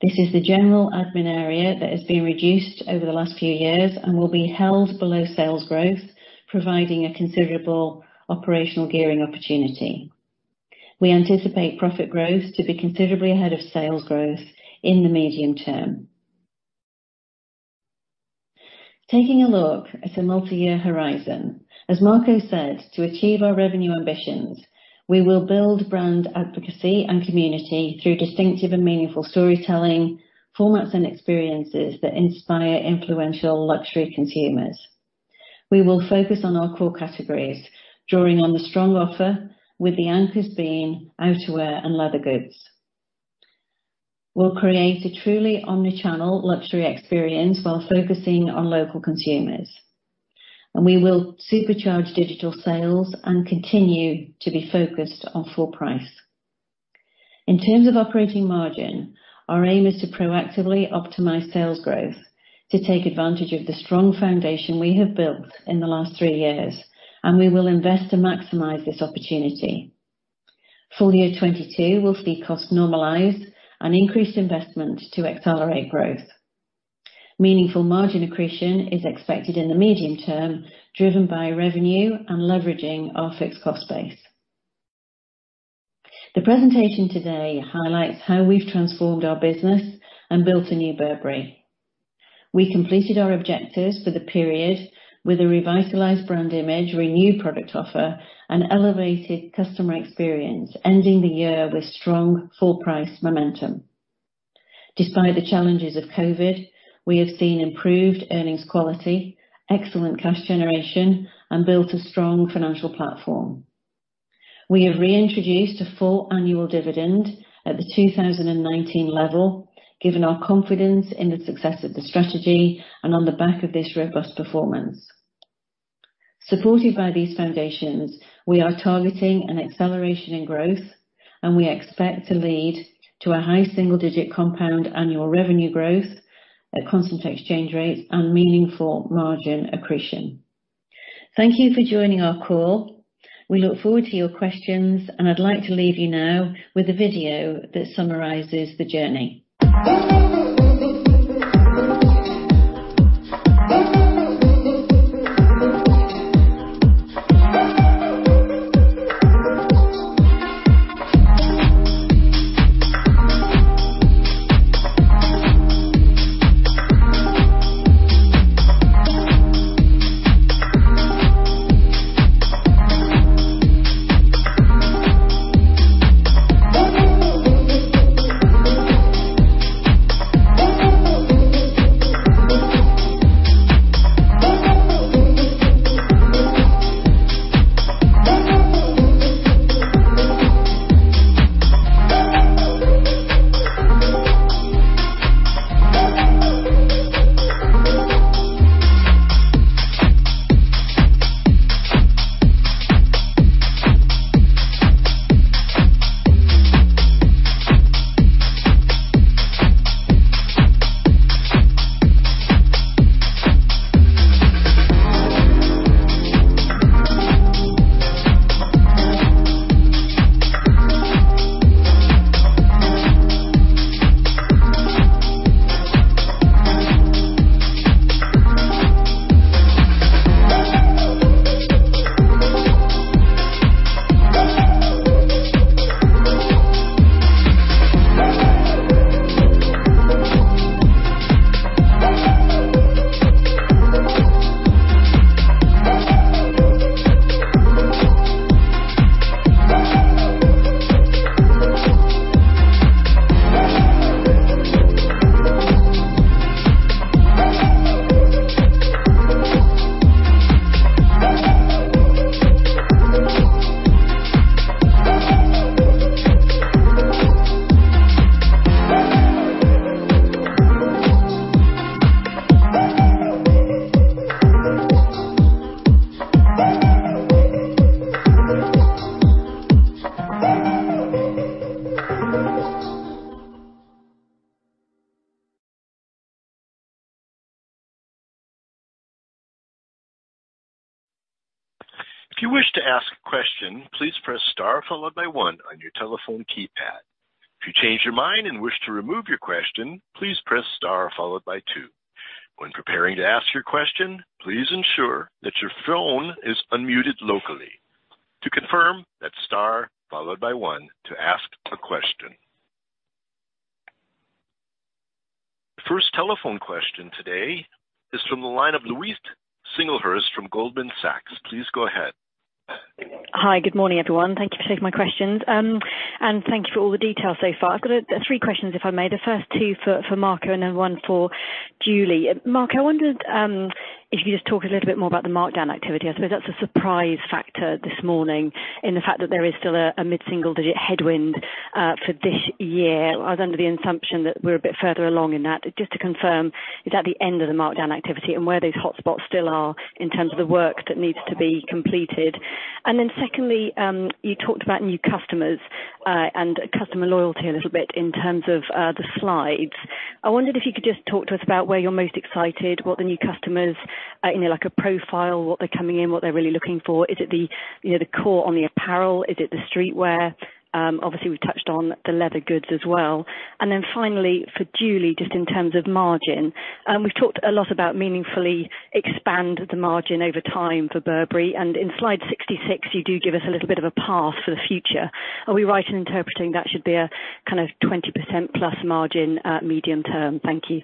This is the general admin area that has been reduced over the last few years and will be held below sales growth, providing a considerable operational gearing opportunity. We anticipate profit growth to be considerably ahead of sales growth in the medium term. Taking a look at a multi-year horizon, as Marco said, to achieve our revenue ambitions, we will build brand advocacy and community through distinctive and meaningful storytelling, formats, and experiences that inspire influential luxury consumers. We will focus on our core categories, drawing on the strong offer with the anchors being outerwear and leather goods. We'll create a truly omni-channel luxury experience while focusing on local consumers. We will supercharge digital sales and continue to be focused on full price. In terms of operating margin, our aim is to proactively optimize sales growth to take advantage of the strong foundation we have built in the last three years, and we will invest to maximize this opportunity. Full year 2022 will see cost normalized and increased investment to accelerate growth. Meaningful margin accretion is expected in the medium term, driven by revenue and leveraging our fixed cost base. The presentation today highlights how we've transformed our business and built a new Burberry. We completed our objectives for the period with a revitalized brand image, renewed product offer, and elevated customer experience, ending the year with strong full-price momentum. Despite the challenges of COVID, we have seen improved earnings quality, excellent cash generation, and built a strong financial platform. We have reintroduced a full annual dividend at the 2019 level, given our confidence in the success of the strategy and on the back of this robust performance. Supported by these foundations, we are targeting an acceleration in growth, and we expect to lead to a high single-digit compound annual revenue growth at constant exchange rates and meaningful margin accretion. Thank you for joining our call. We look forward to your questions, and I'd like to leave you now with a video that summarizes the journey. If you wish to ask a question, please press star followed by one on your telephone keypad. If you change your mind and wish to remove your question, please press star followed by two. When preparing to ask your question, please ensure that your phone is unmuted locally. To confirm, that's star followed by one to ask a question. The first telephone question today is from the line of Louise Singlehurst from Goldman Sachs. Please go ahead. Hi. Good morning, everyone. Thank you for taking my questions, and thank you for all the details so far. I've got three questions, if I may. The first two for Marco and then one for Julie. Marco, I wondered if you could just talk a little bit more about the markdown activity. I suppose that's a surprise factor this morning, in the fact that there is still a mid-single digit headwind for this year. I was under the assumption that we're a bit further along in that. Just to confirm, is that the end of the markdown activity and where those hotspots still are in terms of the work that needs to be completed? Secondly, you talked about new customers, and customer loyalty a little bit in terms of the slides. I wondered if you could just talk to us about where you're most excited, what the new customers, like a profile, what they're coming in, what they're really looking for. Is it the core on the apparel? Is it the streetwear? Obviously, we've touched on the leather goods as well. Then finally, for Julie, just in terms of margin. We've talked a lot about meaningfully expand the margin over time for Burberry, and in slide 66, you do give us a little bit of a path for the future. Are we right in interpreting that should be a 20%+ margin at medium term? Thank you.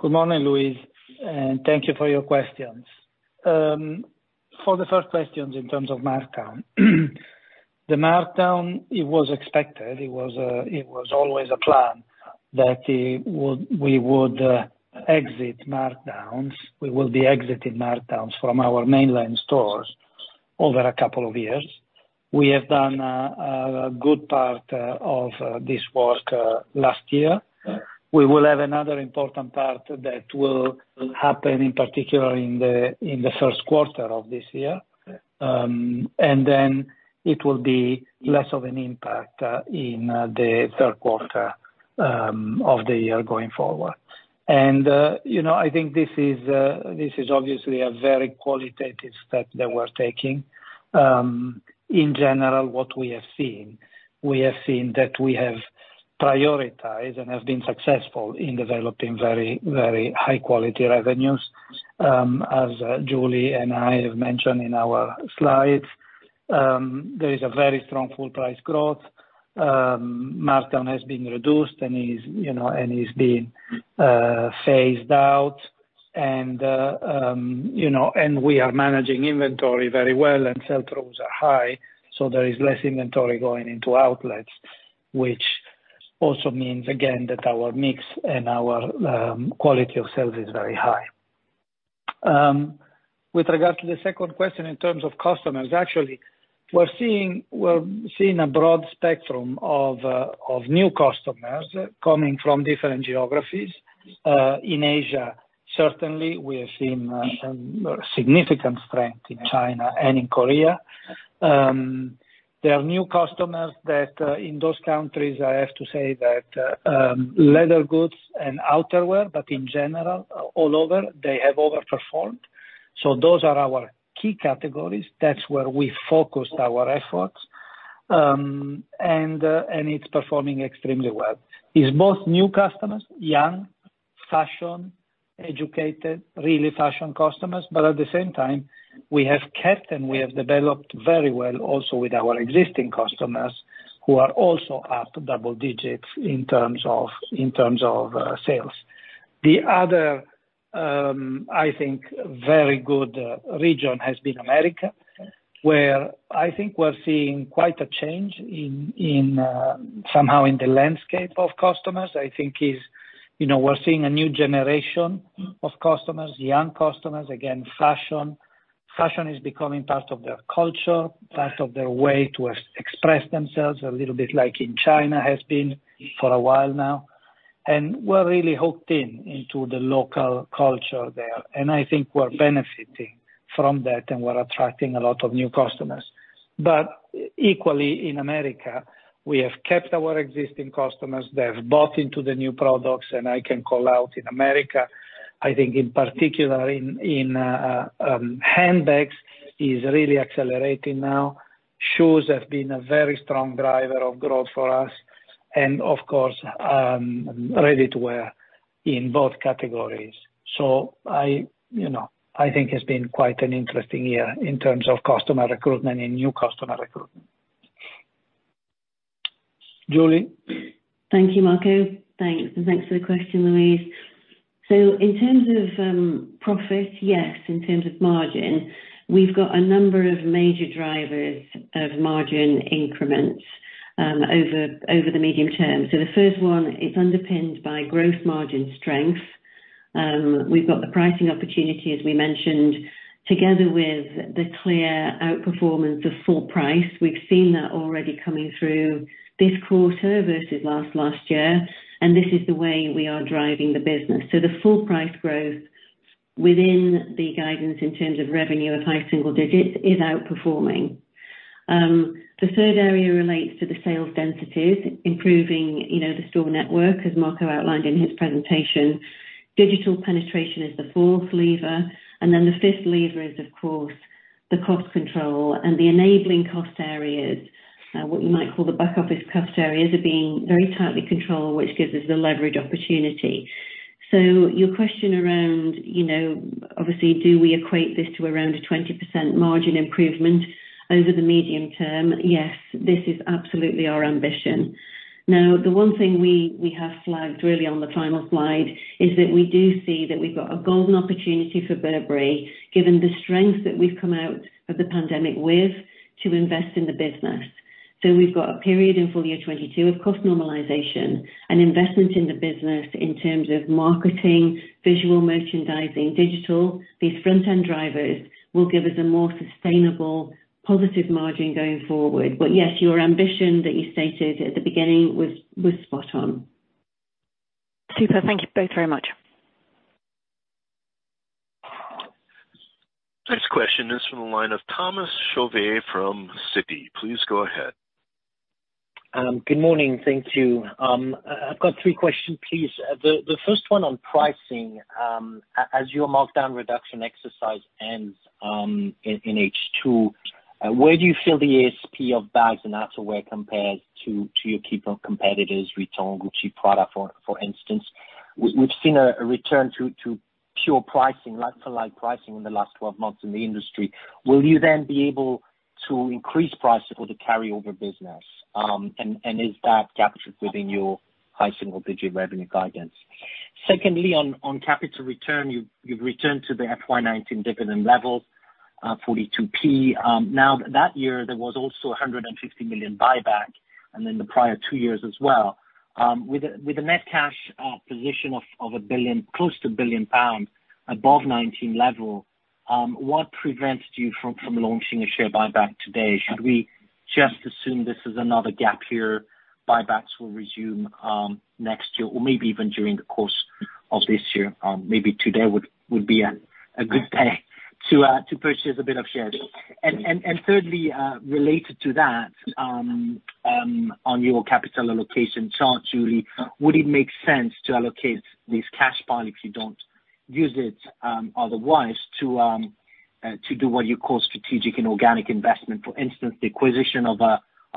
Good morning, Louise, and thank you for your questions. For the first questions in terms of markdown. The markdown, it was expected. It was always a plan that we would exit markdowns. We will be exiting markdowns from our mainland stores over a couple of years. We have done a good part of this work last year. We will have another important part that will happen in particular in the first quarter of this year. Then it will be less of an impact in the third quarter of the year going forward. I think this is obviously a very qualitative step that we're taking. In general, what we have seen, we have seen that we have prioritized and have been successful in developing very high-quality revenues. As Julie and I have mentioned in our slides, there is a very strong full price growth. Markdown has been reduced and is being phased out. We are managing inventory very well and sell-throughs are high. There is less inventory going into outlets, which also means, again, that our mix and our quality of sales is very high. With regards to the second question in terms of customers, actually, we're seeing a broad spectrum of new customers coming from different geographies. In Asia, certainly, we have seen some significant strength in China and in Korea. There are new customers that in those countries, I have to say that leather goods and outerwear, in general, all over, they have overperformed. Those are our key categories. That's where we focused our efforts. It's performing extremely well. It's both new customers, young, fashion, educated, really fashion customers. At the same time, we have kept and we have developed very well also with our existing customers, who are also up double digits in terms of sales. The other, I think very good region has been America, where I think we're seeing quite a change somehow in the landscape of customers. I think we're seeing a new generation of customers, young customers, again, fashion. Fashion is becoming part of their culture, part of their way to express themselves, a little bit like in China has been for a while now. We're really hooked into the local culture there. I think we're benefiting from that, and we're attracting a lot of new customers. Equally in America, we have kept our existing customers. They have bought into the new products, and I can call out in the U.S., I think in particular in handbags, is really accelerating now. Shoes have been a very strong driver of growth for us and of course, ready-to-wear in both categories. So I think it's been quite an interesting year in terms of customer recruitment and new customer recruitment. Julie. Thank you, Marco. Thanks. Thanks for the question, Louise. In terms of profit, yes, in terms of margin, we've got a number of major drivers of margin increments over the medium term. The first one is underpinned by growth margin strength. We've got the pricing opportunity, as we mentioned, together with the clear outperformance of full price. We've seen that already coming through this quarter versus last year, and this is the way we are driving the business. The full price growth within the guidance in terms of revenue of high single digits is outperforming. The third area relates to the sales densities, improving the store network, as Marco outlined in his presentation. Digital penetration is the fourth lever, and then the fifth lever is, of course, the cost control. The enabling cost areas, what you might call the back-office cost areas, are being very tightly controlled, which gives us the leverage opportunity. Your question around, obviously, do we equate this to around a 20% margin improvement over the medium term? Yes, this is absolutely our ambition. The one thing we have flagged really on the final slide is that we do see that we've got a golden opportunity for Burberry, given the strength that we've come out of the pandemic with, to invest in the business. We've got a period in full year 2022 of cost normalization and investment in the business in terms of marketing, visual merchandising, digital. These front-end drivers will give us a more sustainable positive margin going forward. Yes, your ambition that you stated at the beginning was spot on. Super. Thank you both very much. Next question is from the line of Thomas Chauvet from Citi. Please go ahead. Good morning. Thank you. I've got three questions, please. The first one on pricing. As your markdown reduction exercise ends in H2, where do you feel the ASP of bags and outerwear compares to your key competitors, Vuitton, Gucci product, for instance? We've seen a return to pure pricing, like for like pricing in the last 12 months in the industry. Will you then be able to increase pricing for the carryover business? Is that captured within your high single-digit revenue guidance? Secondly, on capital return, you've returned to the FY 2019 dividend level, 0.42. That year, there was also 150 million buyback and then the prior two years as well. With a net cash position of close to 1 billion pound above 2019 level, what prevents you from launching a share buyback today? Should we just assume this is another gap year, buybacks will resume next year or maybe even during the course of this year? Maybe today would be a good day to purchase a bit of shares. Thirdly, related to that, on your capital allocation chart, Julie, would it make sense to allocate this cash pile if you don't use it otherwise to do what you call strategic and organic investment, for instance, the acquisition of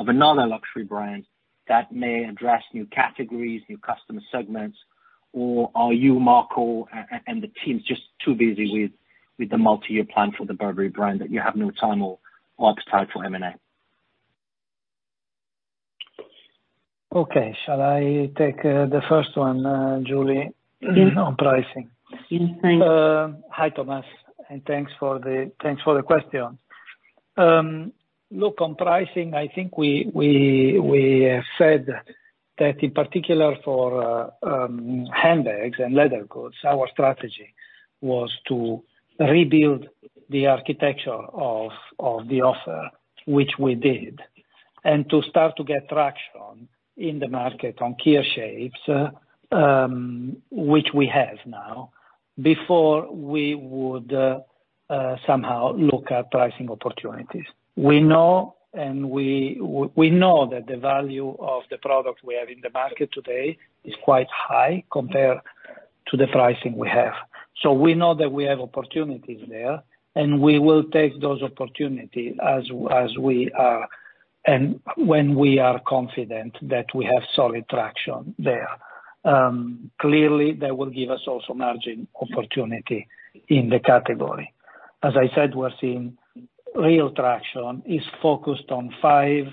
another luxury brand that may address new categories, new customer segments? Or are you, Marco, and the team just too busy with the multi-year plan for the Burberry brand that you have no time or appetite for M&A? Okay. Shall I take the first one, Julie? Yes. On pricing. Yes. Thanks. Hi, Thomas, thanks for the question. Look, on pricing, I think we said that in particular for handbags and leather goods, our strategy was to rebuild the architecture of the offer, which we did, and to start to get traction in the market on key shapes, which we have now, before we would somehow look at pricing opportunities. We know that the value of the product we have in the market today is quite high compared to the pricing we have. We know that we have opportunities there, and we will take those opportunities as we are and when we are confident that we have solid traction there. Clearly, that will give us also margin opportunity in the category. As I said, we're seeing real traction is focused on five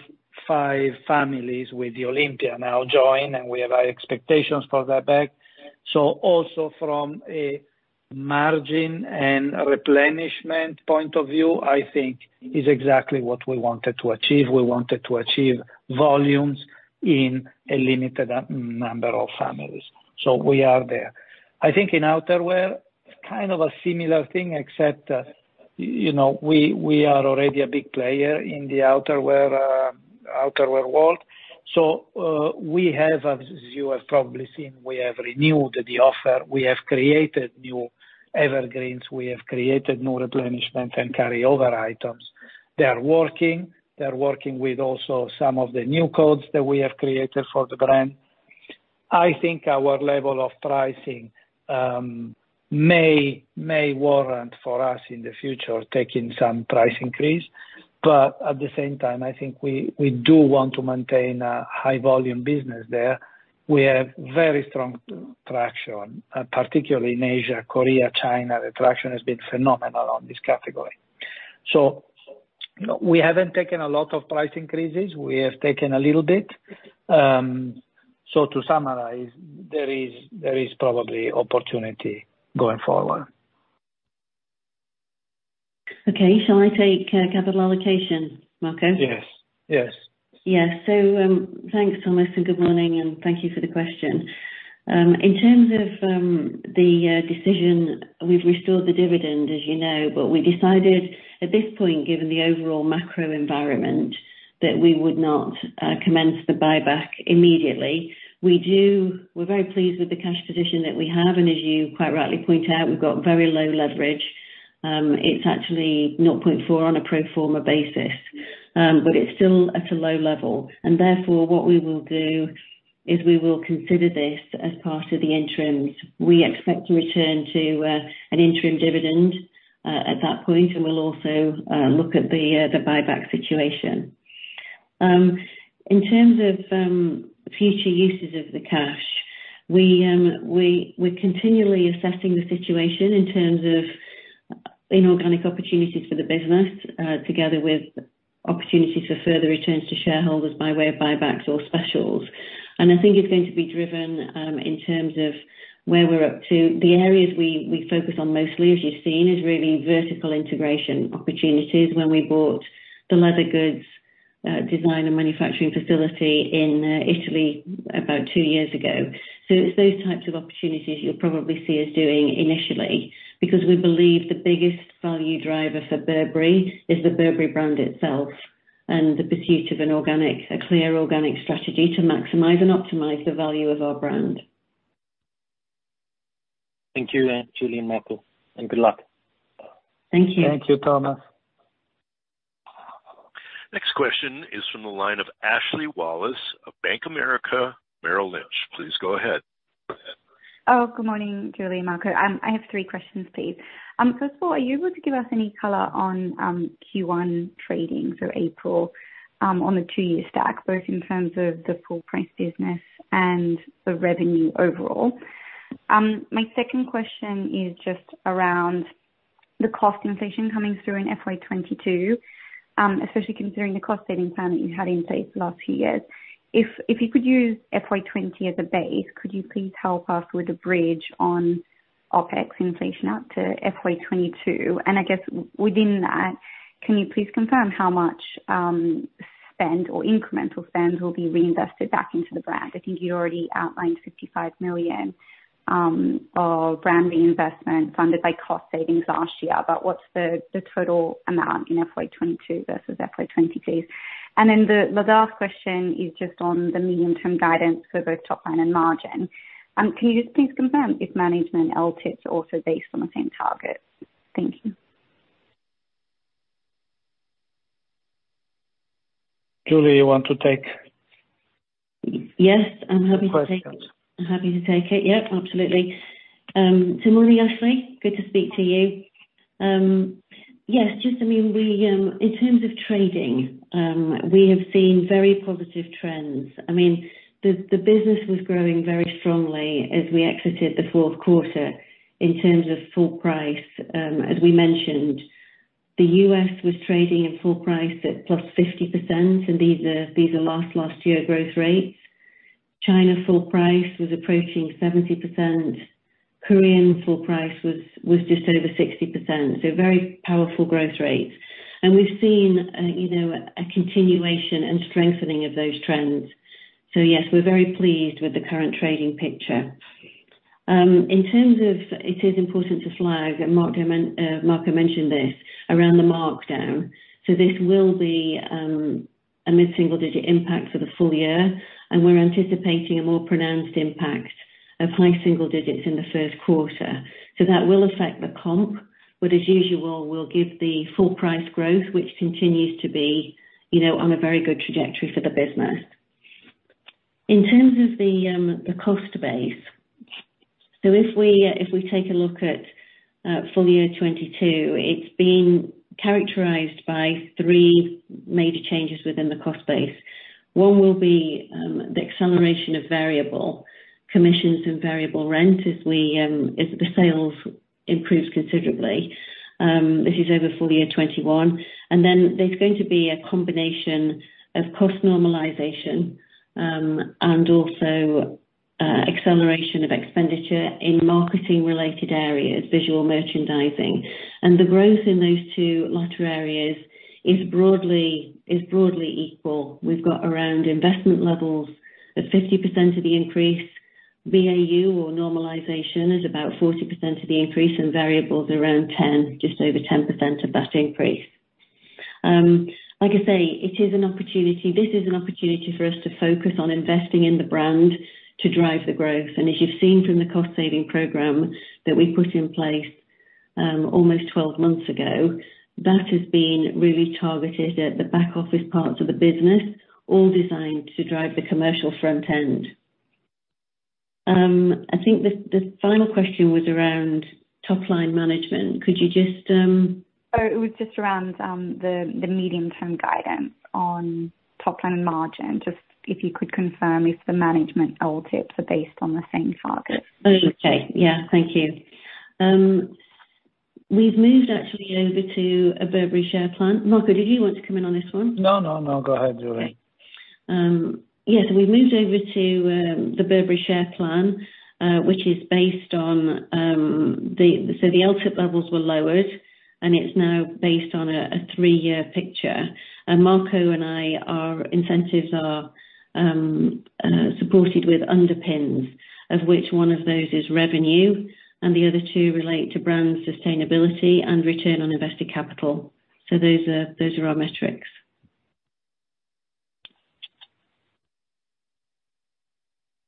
families with the Olympia now joined, and we have high expectations for that bag. Also from a margin and replenishment point of view, I think is exactly what we wanted to achieve. We wanted to achieve volumes in a limited number of families. We are there. I think in outerwear, kind of a similar thing except, we are already a big player in the outerwear world. We have, as you have probably seen, we have renewed the offer. We have created new evergreens. We have created new replenishment and carryover items. They are working. They're working with also some of the new codes that we have created for the brand. I think our level of pricing may warrant for us in the future, taking some price increase, at the same time, I think we do want to maintain a high volume business there. We have very strong traction, particularly in Asia, Korea, China. The traction has been phenomenal on this category. We haven't taken a lot of price increases. We have taken a little bit. To summarize, there is probably opportunity going forward. Okay. Shall I take capital allocation, Marco? Yes. Thanks, Thomas, and good morning, and thank you for the question. In terms of the decision, we've restored the dividend, as you know, but we decided at this point, given the overall macro environment, that we would not commence the buyback immediately. We're very pleased with the cash position that we have, and as you quite rightly point out, we've got very low leverage. It's actually 0.4 on a pro forma basis. It's still at a low level, and therefore, what we will do is we will consider this as part of the interims. We expect to return to an interim dividend at that point, and we'll also look at the buyback situation. In terms of future uses of the cash, we're continually assessing the situation in terms of inorganic opportunities for the business, together with opportunities for further returns to shareholders by way of buybacks or specials. I think it's going to be driven in terms of where we're up to. The areas we focus on mostly, as you've seen, is really vertical integration opportunities when we bought the leather goods design and manufacturing facility in Italy about two years ago. It's those types of opportunities you'll probably see us doing initially, because we believe the biggest value driver for Burberry is the Burberry brand itself and the pursuit of an organic, a clear organic strategy to maximize and optimize the value of our brand. Thank you, Julie and Marco, and good luck. Thank you. Thank you, Thomas. Next question is from the line of Ashley Wallace of Bank of America Merrill Lynch. Please go ahead. Good morning, Julie and Marco. I have three questions, please. First of all, are you able to give us any color on Q1 trading for April on the two-year stack, both in terms of the full-price business and the revenue overall? My second question is just around the cost inflation coming through in FY 2022, especially considering the cost-saving plan that you had in place the last few years. If you could use FY 2020 as a base, could you please help us with the bridge on OpEx inflation out to FY 2022? I guess within that, can you please confirm how much spend or incremental spend will be reinvested back into the brand? I think you already outlined 55 million of brand reinvestment funded by cost savings last year. What's the total amount in FY 2022 versus FY 2023? The last question is just on the medium-term guidance for both top line and margin. Can you just please confirm if management LTIP is also based on the same target? Thank you. Julie, you want to take- Yes, I'm happy to take it. the questions. I'm happy to take it. Yep, absolutely. Good morning, Ashley. Good to speak to you. Just in terms of trading, we have seen very positive trends. The business was growing very strongly as we exited the fourth quarter in terms of full price. As we mentioned, the U.S. was trading in full price at +50%. These are last year growth rates. China full price was approaching 70%. Korean full price was just over 60%. Very powerful growth rates. We've seen a continuation and strengthening of those trends. We're very pleased with the current trading picture. It is important to flag, Marco mentioned this, around the markdown. This will be a mid-single-digit impact for the full year. We're anticipating a more pronounced impact of high single digits in the first quarter. That will affect the comp, but as usual, we'll give the full price growth, which continues to be on a very good trajectory for the business. In terms of the cost base, if we take a look at full year 2022, it's been characterized by three major changes within the cost base. One will be the acceleration of variable commissions and variable rent as the sales improves considerably. This is over full year 2021. Then there's going to be a combination of cost normalization, and also acceleration of expenditure in marketing-related areas, visual merchandising. The growth in those two latter areas is broadly equal. We've got around investment levels at 50% of the increase, BAU or normalization is about 40% of the increase and variables around 10%, just over 10% of that increase. Like I say, this is an opportunity for us to focus on investing in the brand to drive the growth. As you've seen from the cost-saving program that we put in place almost 12 months ago, that has been really targeted at the back office parts of the business, all designed to drive the commercial front end. I think the final question was around top-line management. It was just around the medium-term guidance on top-line margin, just if you could confirm if the management LTIPs are based on the same target. Okay. Yeah, thank you. We've moved actually over to a Burberry Sharesave Plan. Marco, did you want to come in on this one? No, go ahead, Julie. Okay. Yeah, we've moved over to the Burberry Sharesave Plan. The LTIP levels were lowered, and it's now based on a three-year picture. Marco and I, our incentives are supported with underpins, of which one of those is revenue. The other two relate to brand sustainability and return on invested capital. Those are our metrics.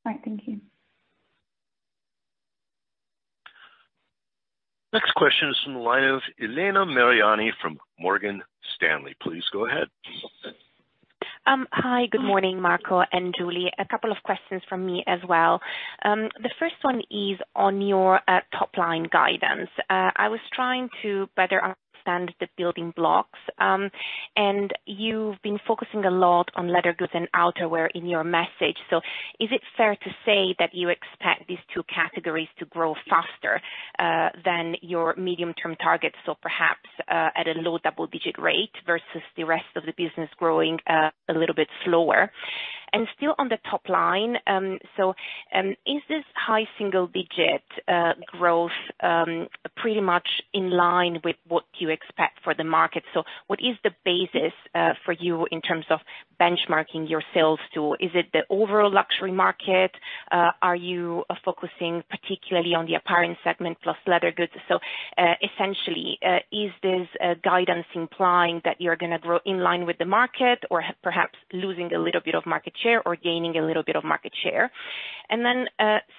All right. Thank you. Next question is from the line of Elena Mariani from Morgan Stanley. Please go ahead. Hi. Good morning, Marco and Julie. A couple of questions from me as well. The first one is on your top-line guidance. I was trying to better understand the building blocks. You've been focusing a lot on leather goods and outerwear in your message. Is it fair to say that you expect these two categories to grow faster than your medium-term targets, or perhaps at a low double-digit rate versus the rest of the business growing a little bit slower? Still on the top line, is this high single-digit growth pretty much in line with what you expect for the market? What is the basis for you in terms of benchmarking your sales to? Is it the overall luxury market? Are you focusing particularly on the apparel segment plus leather goods? Essentially, is this guidance implying that you're going to grow in line with the market or perhaps losing a little bit of market share or gaining a little bit of market share?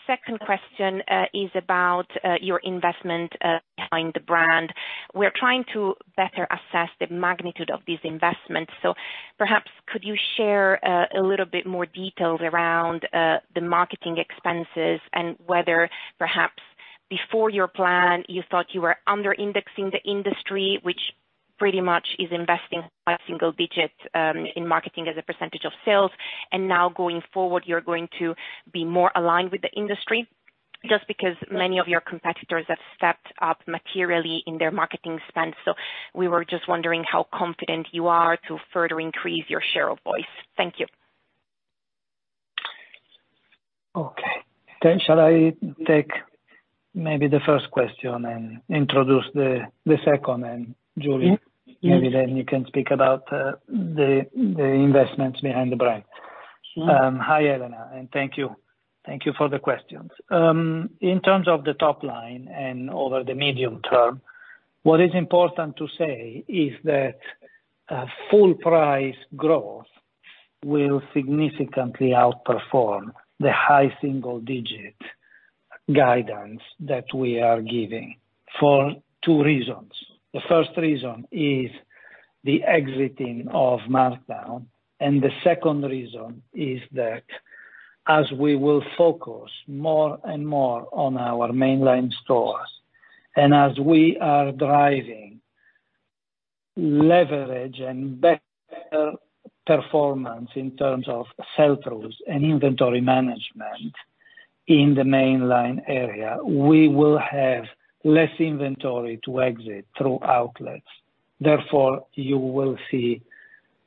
Second question is about your investment behind the brand. We're trying to better assess the magnitude of these investments. Perhaps could you share a little bit more details around the marketing expenses and whether perhaps before your plan, you thought you were under-indexing the industry, which pretty much is investing single digits in marketing as a percentage of sales, and now going forward, you're going to be more aligned with the industry just because many of your competitors have stepped up materially in their marketing spend. We were just wondering how confident you are to further increase your share of voice. Thank you. Okay. Shall I take maybe the first question and introduce the second, and Julie- Yeah Maybe you can speak about the investments behind the brand. Sure. Hi, Elena, and thank you. Thank you for the questions. In terms of the top line and over the medium term, what is important to say is that full price growth will significantly outperform the high single-digit guidance that we are giving for two reasons. The first reason is the exiting of markdown, and the second reason is that as we will focus more and more on our mainline stores, and as we are driving leverage and better performance in terms of sell-throughs and inventory management in the mainline area, we will have less inventory to exit through outlets. Therefore, you will see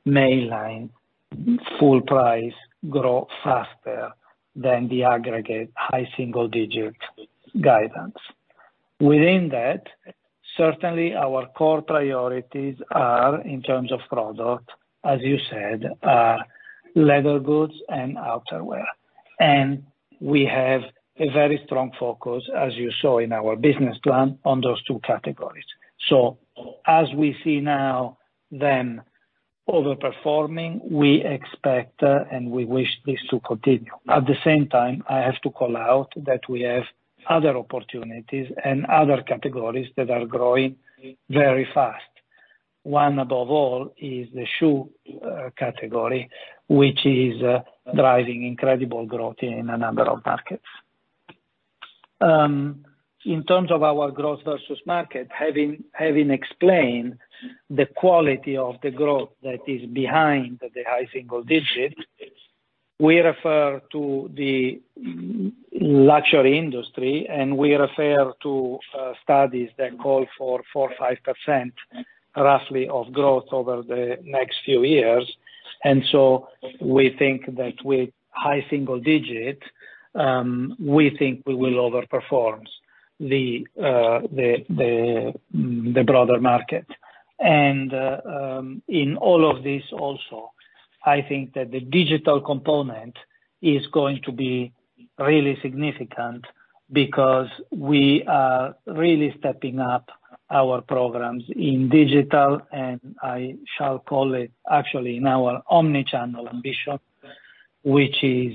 mainline full price grow faster than the aggregate high single-digit guidance. Within that, certainly our core priorities are in terms of product, as you said, are leather goods and outerwear. We have a very strong focus, as you saw in our business plan, on those two categories. As we see now, then overperforming, we expect and we wish this to continue. At the same time, I have to call out that we have other opportunities and other categories that are growing very fast. One above all is the shoe category, which is driving incredible growth in a number of markets. In terms of our growth versus market, having explained the quality of the growth that is behind the high single digits, we refer to the luxury industry, and we refer to studies that call for 4% or 5% roughly of growth over the next few years. We think that with high single digits, we think we will over-perform the broader market. In all of this also, I think that the digital component is going to be really significant because we are really stepping up our programs in digital, and I shall call it actually now our omni-channel ambition, which is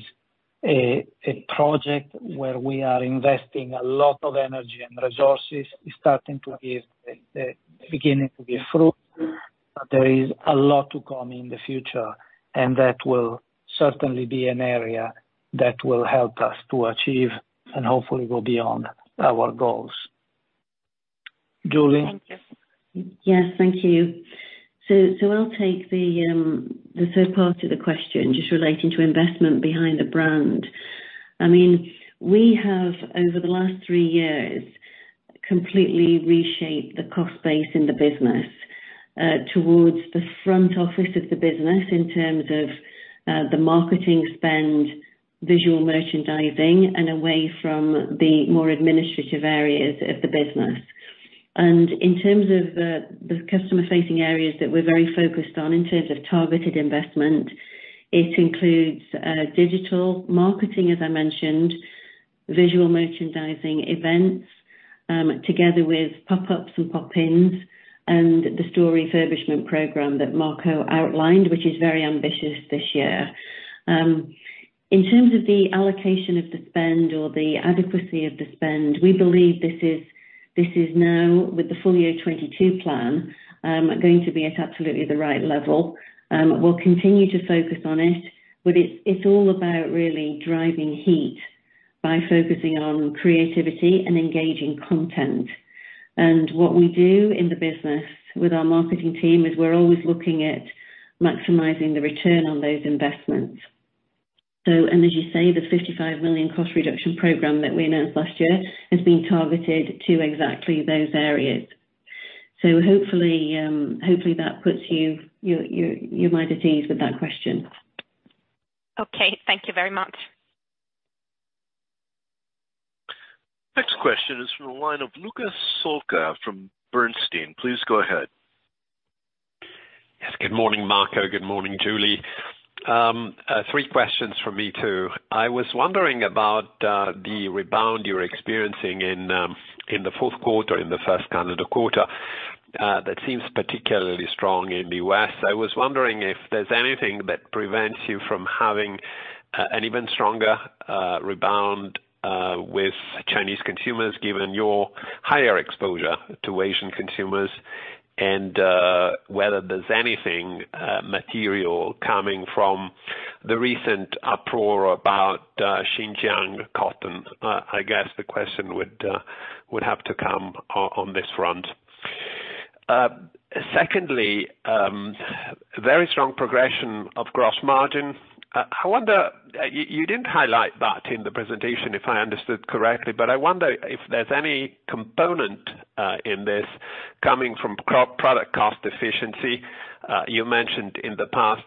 a project where we are investing a lot of energy and resources. It's beginning to give fruit. There is a lot to come in the future. That will certainly be an area that will help us to achieve and hopefully go beyond our goals. Julie? Thank you. Yes. Thank you. I'll take the third part of the question, just relating to investment behind the brand. We have, over the last three years, completely reshaped the cost base in the business, towards the front office of the business in terms of the marketing spend, visual merchandising, and away from the more administrative areas of the business. In terms of the customer-facing areas that we're very focused on in terms of targeted investment, it includes digital marketing, as I mentioned, visual merchandising events, together with pop-ups and pop-ins, and the store refurbishment program that Marco outlined, which is very ambitious this year. In terms of the allocation of the spend or the adequacy of the spend, we believe this is now, with the full year 2022 plan, going to be at absolutely the right level. We'll continue to focus on it's all about really driving heat by focusing on creativity and engaging content. What we do in the business with our marketing team is we're always looking at maximizing the return on those investments. As you say, the 55 million cost reduction program that we announced last year has been targeted to exactly those areas. Hopefully that puts your mind at ease with that question. Okay. Thank you very much. Next question is from the line of Luca Solca from Bernstein. Please go ahead. Yes. Good morning, Marco. Good morning, Julie. Three questions from me, too. I was wondering about the rebound you're experiencing in the fourth quarter, in the first calendar quarter, that seems particularly strong in the U.S. I was wondering if there's anything that prevents you from having an even stronger rebound with Chinese consumers, given your higher exposure to Asian consumers, and whether there's anything material coming from the recent uproar about Xinjiang cotton. I guess the question would have to come on this front. Secondly, very strong progression of gross margin. I wonder, you didn't highlight that in the presentation, if I understood correctly, but I wonder if there's any component in this coming from product cost efficiency. You mentioned in the past,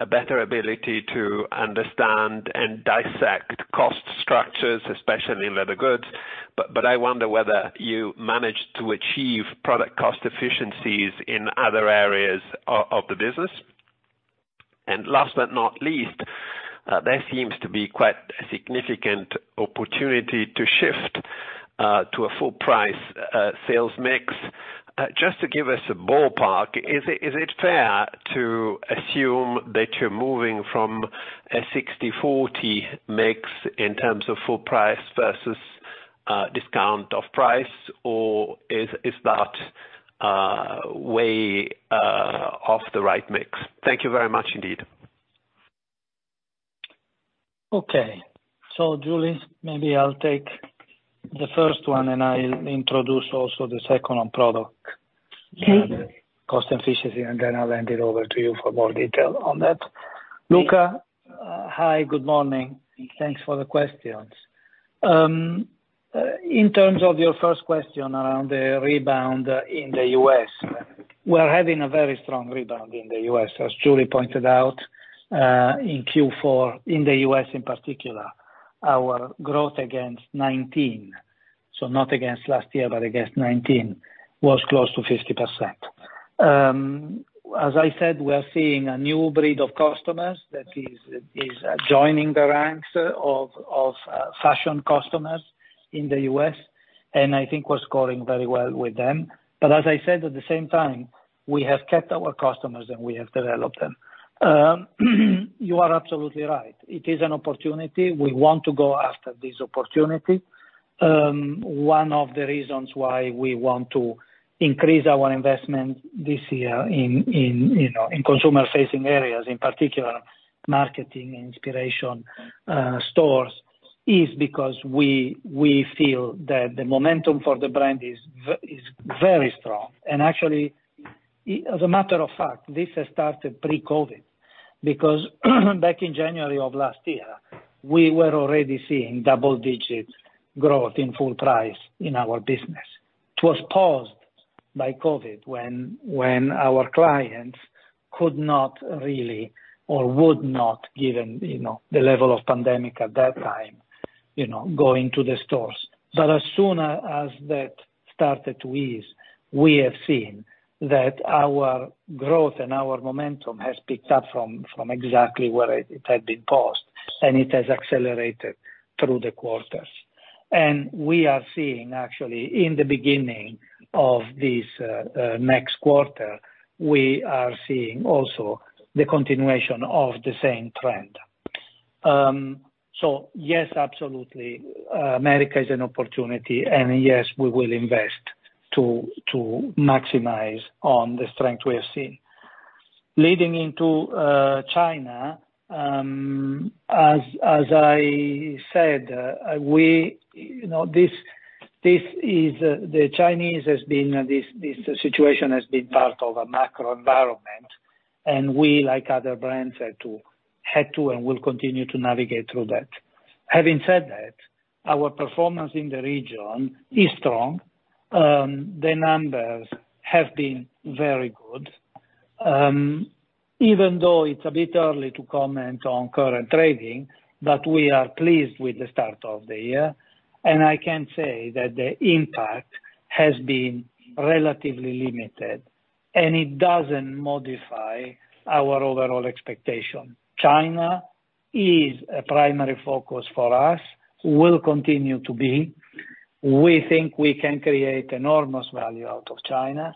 a better ability to understand and dissect cost structures, especially in leather goods. I wonder whether you managed to achieve product cost efficiencies in other areas of the business. Last but not least, there seems to be quite a significant opportunity to shift to a full price sales mix. Just to give us a ballpark, is it fair to assume that you're moving from a 60/40 mix in terms of full price versus discounted price, or is that way off the right mix? Thank you very much indeed. Okay. Julie, maybe I'll take the first one, and I'll introduce also the second on product cost efficiency, and then I'll hand it over to you for more detail on that. Luca, hi. Good morning. Thanks for the questions. In terms of your first question around the rebound in the U.S., we're having a very strong rebound in the U.S., as Julie pointed out, in Q4 in the U.S. in particular. Our growth against 2019, so not against last year, but against 2019, was close to 50%. As I said, we are seeing a new breed of customers that is joining the ranks of fashion customers in the U.S., and I think we're scoring very well with them. But as I said, at the same time, we have kept our customers, and we have developed them. You are absolutely right. It is an opportunity. We want to go after this opportunity. One of the reasons why we want to increase our investment this year in consumer-facing areas, in particular marketing, inspiration, stores, is because we feel that the momentum for the brand is very strong. Actually, as a matter of fact, this has started pre-COVID, because back in January of last year, we were already seeing double-digit growth in full price in our business. It was paused by COVID when our clients could not really or would not, given the level of pandemic at that time, go into the stores. As soon as that started to ease, we have seen that our growth and our momentum has picked up from exactly where it had been paused, and it has accelerated through the quarters. We are seeing actually, in the beginning of this next quarter, we are seeing also the continuation of the same trend. Yes, absolutely, America is an opportunity, and yes, we will invest to maximize on the strength we have seen. Leading into China, as I said, the Chinese, this situation has been part of a macro environment, and we, like other brands, had to and will continue to navigate through that. Having said that, our performance in the region is strong. The numbers have been very good. Even though it's a bit early to comment on current trading, but we are pleased with the start of the year. I can say that the impact has been relatively limited, and it doesn't modify our overall expectation. China is a primary focus for us, will continue to be. We think we can create enormous value out of China.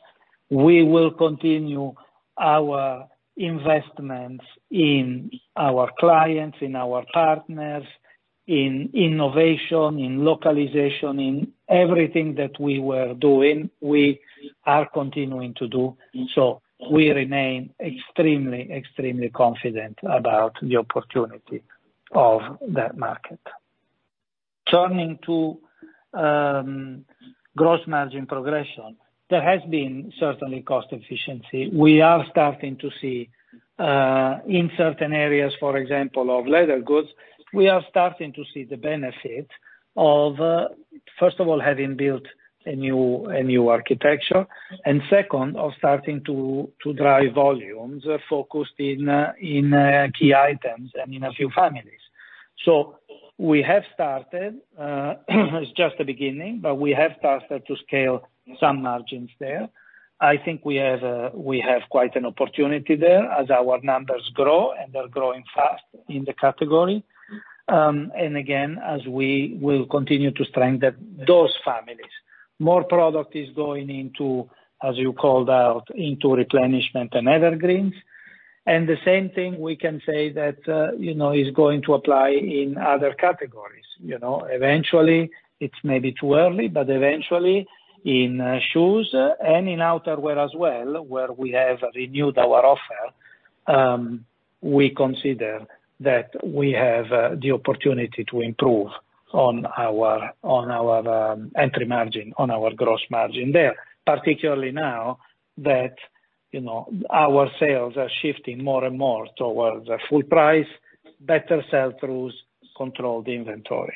We will continue our investments in our clients, in our partners, in innovation, in localization, in everything that we were doing, we are continuing to do. We remain extremely confident about the opportunity of that market. Turning to gross margin progression, there has been certainly cost efficiency. We are starting to see, in certain areas, for example, of leather goods, we are starting to see the benefit of, first of all, having built a new architecture, and second, of starting to drive volumes focused in key items and in a few families. We have started it's just the beginning, but we have started to scale some margins there. I think we have quite an opportunity there as our numbers grow, and they're growing fast in the category. Again, as we will continue to strengthen those families. More product is going into, as you called out, into replenishment and evergreens. The same thing we can say that is going to apply in other categories. Eventually, it's maybe too early, but eventually in shoes and in outerwear as well, where we have renewed our offer, we consider that we have the opportunity to improve on our entry margin, on our gross margin there, particularly now that our sales are shifting more and more towards the full price, better sell-throughs, controlled inventories.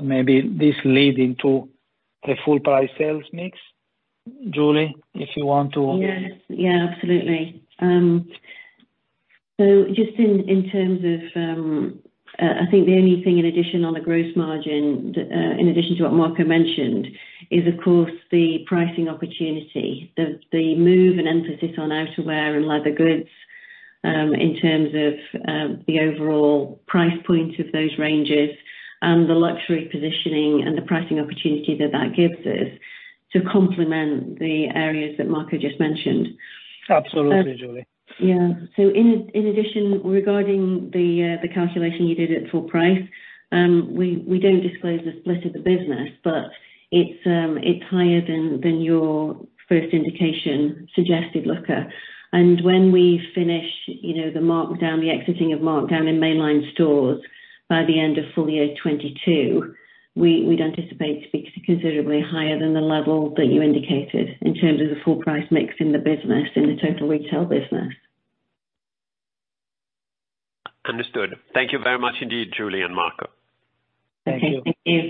Maybe this lead into the full price sales mix. Julie, if you want to- Yes. Absolutely. Just in terms of, I think the only thing in addition on the gross margin, in addition to what Marco mentioned, is of course the pricing opportunity. The move and emphasis on outerwear and leather goods in terms of the overall price point of those ranges and the luxury positioning and the pricing opportunity that that gives us to complement the areas that Marco just mentioned. Absolutely, Julie. In addition, regarding the calculation you did at full price, we don't disclose the split of the business, but it's higher than your first indication suggested Luca. When we finish the exiting of markdown in mainline stores by the end of full year 2022, we'd anticipate to be considerably higher than the level that you indicated in terms of the full price mix in the business, in the total retail business. Understood. Thank you very much indeed, Julie and Marco. Thank you. Thank you.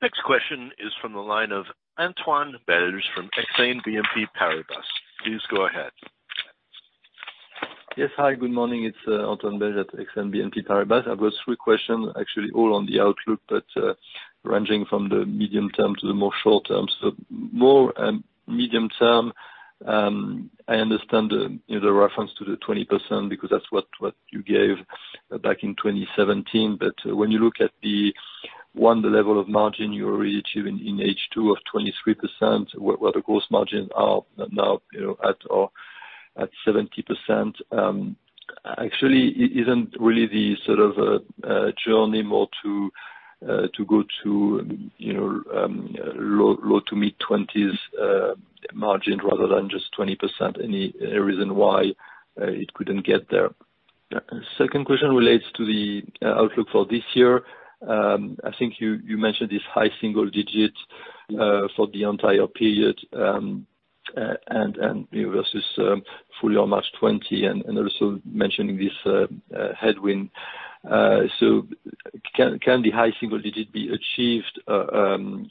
Next question is from the line of Antoine Belge from Exane BNP Paribas. Please go ahead. Yes. Hi, good morning. It's Antoine Belge at Exane BNP Paribas. I've got three questions, actually, all on the outlook, but ranging from the medium-term to the more short-term. More medium-term, I understand the reference to the 20% because that's what you gave back in 2017. When you look at the, one, the level of margin you're already achieving in H2 of 23%, where the gross margin are now at 70%. Actually, isn't really the sort of journey more to go to low to mid-20s margin rather than just 20%? Any reason why it couldn't get there? Second question relates to the outlook for this year. I think you mentioned this high single digits for the entire period. Versus fully on March 2020, and also mentioning this headwind. Can the high single digit be achieved,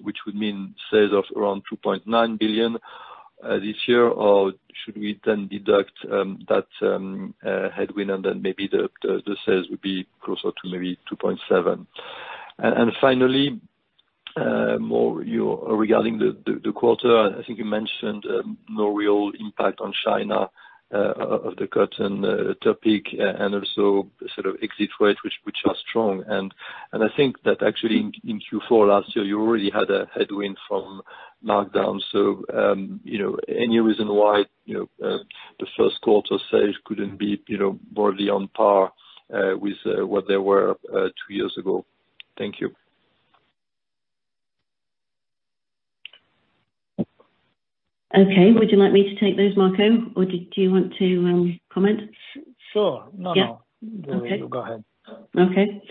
which would mean sales of around 2.9 billion this year? Should we then deduct that headwind and then maybe the sales would be closer to maybe 2.7? Finally, regarding the quarter, I think you mentioned no real impact on China of the cotton topic and also sort of exit rates, which are strong. I think that actually in Q4 last year, you already had a headwind from lockdown. Any reason why the first quarter sales couldn't be broadly on par with what they were two years ago? Thank you. Okay. Would you like me to take those, Marco, or do you want to comment? Sure. No. Yeah. No, you go ahead. Okay.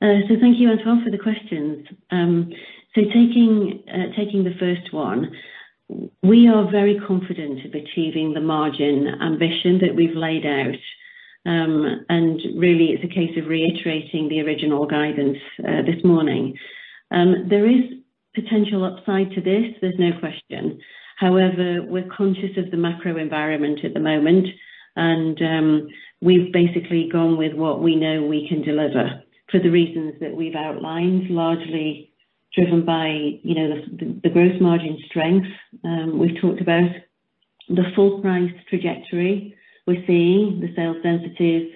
Thank you, Antoine, for the questions. Taking the first one, we are very confident of achieving the margin ambition that we've laid out. Really it's a case of reiterating the original guidance this morning. There is potential upside to this, there's no question. However, we're conscious of the macro environment at the moment, and we've basically gone with what we know we can deliver for the reasons that we've outlined, largely driven by the gross margin strength. We've talked about the full price trajectory we're seeing, the sales densities,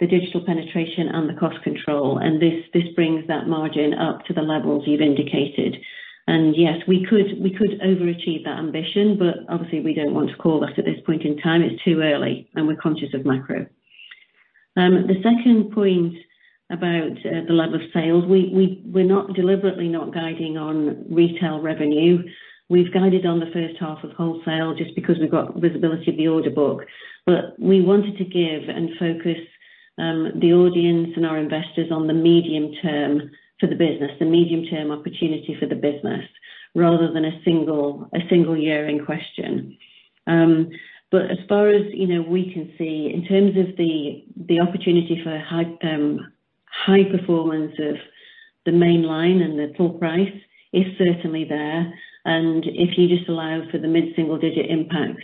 the digital penetration, and the cost control. This brings that margin up to the levels you've indicated. Yes, we could overachieve that ambition, but obviously we don't want to call that at this point in time. It's too early and we're conscious of macro. The second point about the level of sales, we're not deliberately not guiding on retail revenue. We've guided on the first half of wholesale just because we've got visibility of the order book. We wanted to give and focus the audience and our investors on the medium term for the business, the medium term opportunity for the business rather than a single year in question. As far as we can see, in terms of the opportunity for high performance of the main line and the full price is certainly there. If you just allow for the mid-single digit impact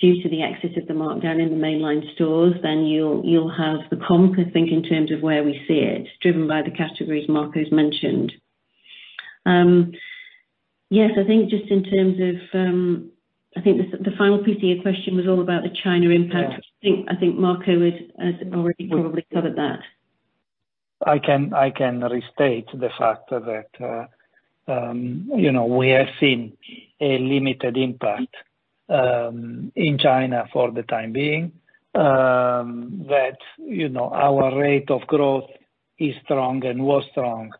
due to the exit of the markdown in the mainline stores, then you'll have the comp, I think, in terms of where we see it driven by the categories Marco's mentioned. Yes, I think just in terms of the final piece of your question was all about the China impact. Yeah. I think Marco has already probably covered that. I can restate the fact that we have seen a limited impact in China for the time being. That our rate of growth is strong and was strong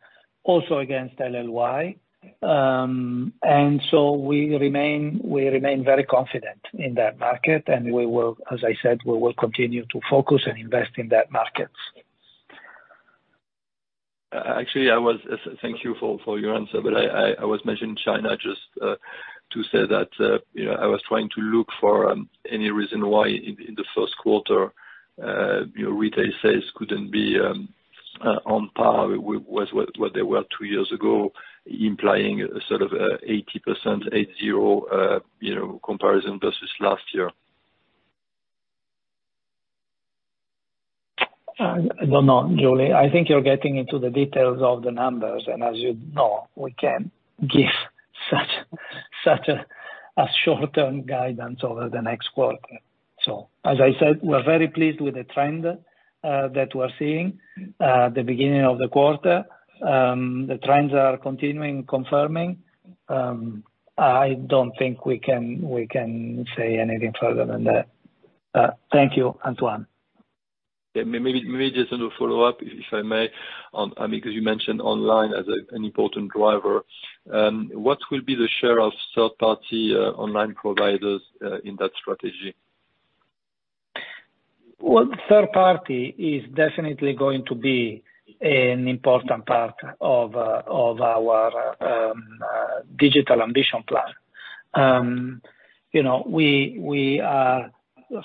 also against LLY. We remain very confident in that market, and as I said, we will continue to focus and invest in that market. Actually, thank you for your answer. I was mentioning China just to say that I was trying to look for any reason why in the first quarter, your retail sales couldn't be on par with what they were two years ago, implying sort of 80%, eight, zero, comparison versus last year. I don't know, Julie. I think you're getting into the details of the numbers, and as you know, we can't give such a short-term guidance over the next quarter. As I said, we're very pleased with the trend that we're seeing at the beginning of the quarter. The trends are continuing confirming. I don't think we can say anything further than that. Thank you, Antoine. Maybe just a little follow-up, if I may, because you mentioned online as an important driver. What will be the share of third-party online providers in that strategy? Third party is definitely going to be an important part of our digital ambition plan.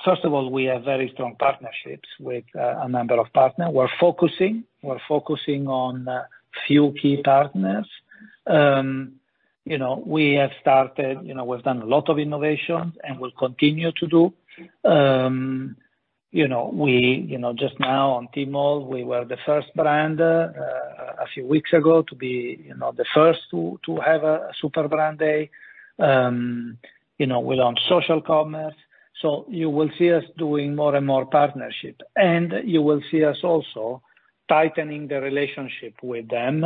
First of all, we have very strong partnerships with a number of partners. We're focusing on a few key partners. We've done a lot of innovations and we'll continue to do. Just now on Tmall, we were the first brand, a few weeks ago to be the first to have a Super Brand Day. We're on social commerce. You will see us doing more and more partnership. You will see us also tightening the relationship with them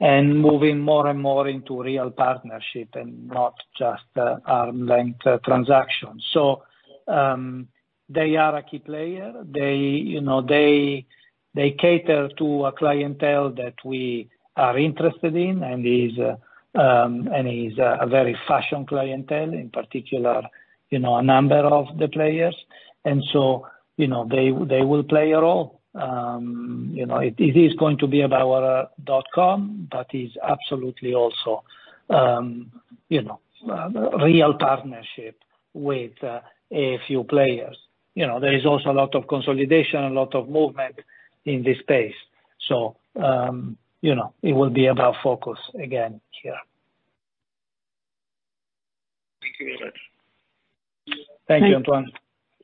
and moving more and more into real partnership and not just arm-length transactions. They are a key player. They cater to a clientele that we are interested in and is a very fashion clientele in particular, a number of the players. They will play a role. It is going to be about our burberry.com, but is absolutely also a real partnership with a few players. There is also a lot of consolidation and a lot of movement in this space. It will be about focus again here. Thank you very much. Thank you, Antoine.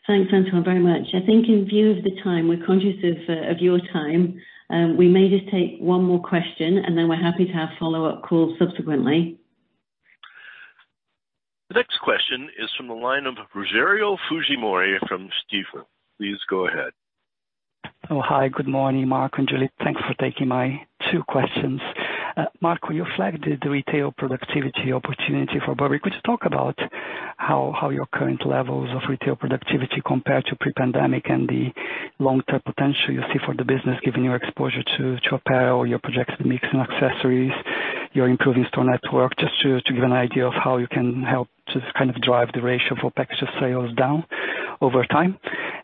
Thanks, Antoine, very much. I think in view of the time, we're conscious of your time. We may just take one more question, and then we're happy to have follow-up calls subsequently. The next question is from the line of Rogerio Fujimori from Stifel. Please go ahead. Hi. Good morning, Marco and Julie. Thanks for taking my two questions. Marco, you flagged the retail productivity opportunity for Burberry. Could you talk about how your current levels of retail productivity compare to pre-pandemic and the long-term potential you see for the business, given your exposure to apparel, your projected mix in accessories, your improving store network, just to give an idea of how you can help to kind of drive the ratio for package of sales down over time.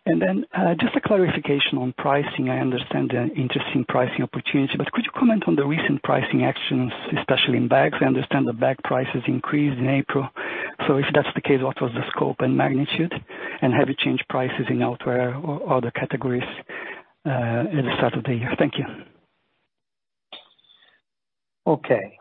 Then, just a clarification on pricing. I understand the interest in pricing opportunity, could you comment on the recent pricing actions, especially in bags? I understand the bag prices increased in April. If that's the case, what was the scope and magnitude, and have you changed prices in outerwear or other categories at the start of the year? Thank you. Okay.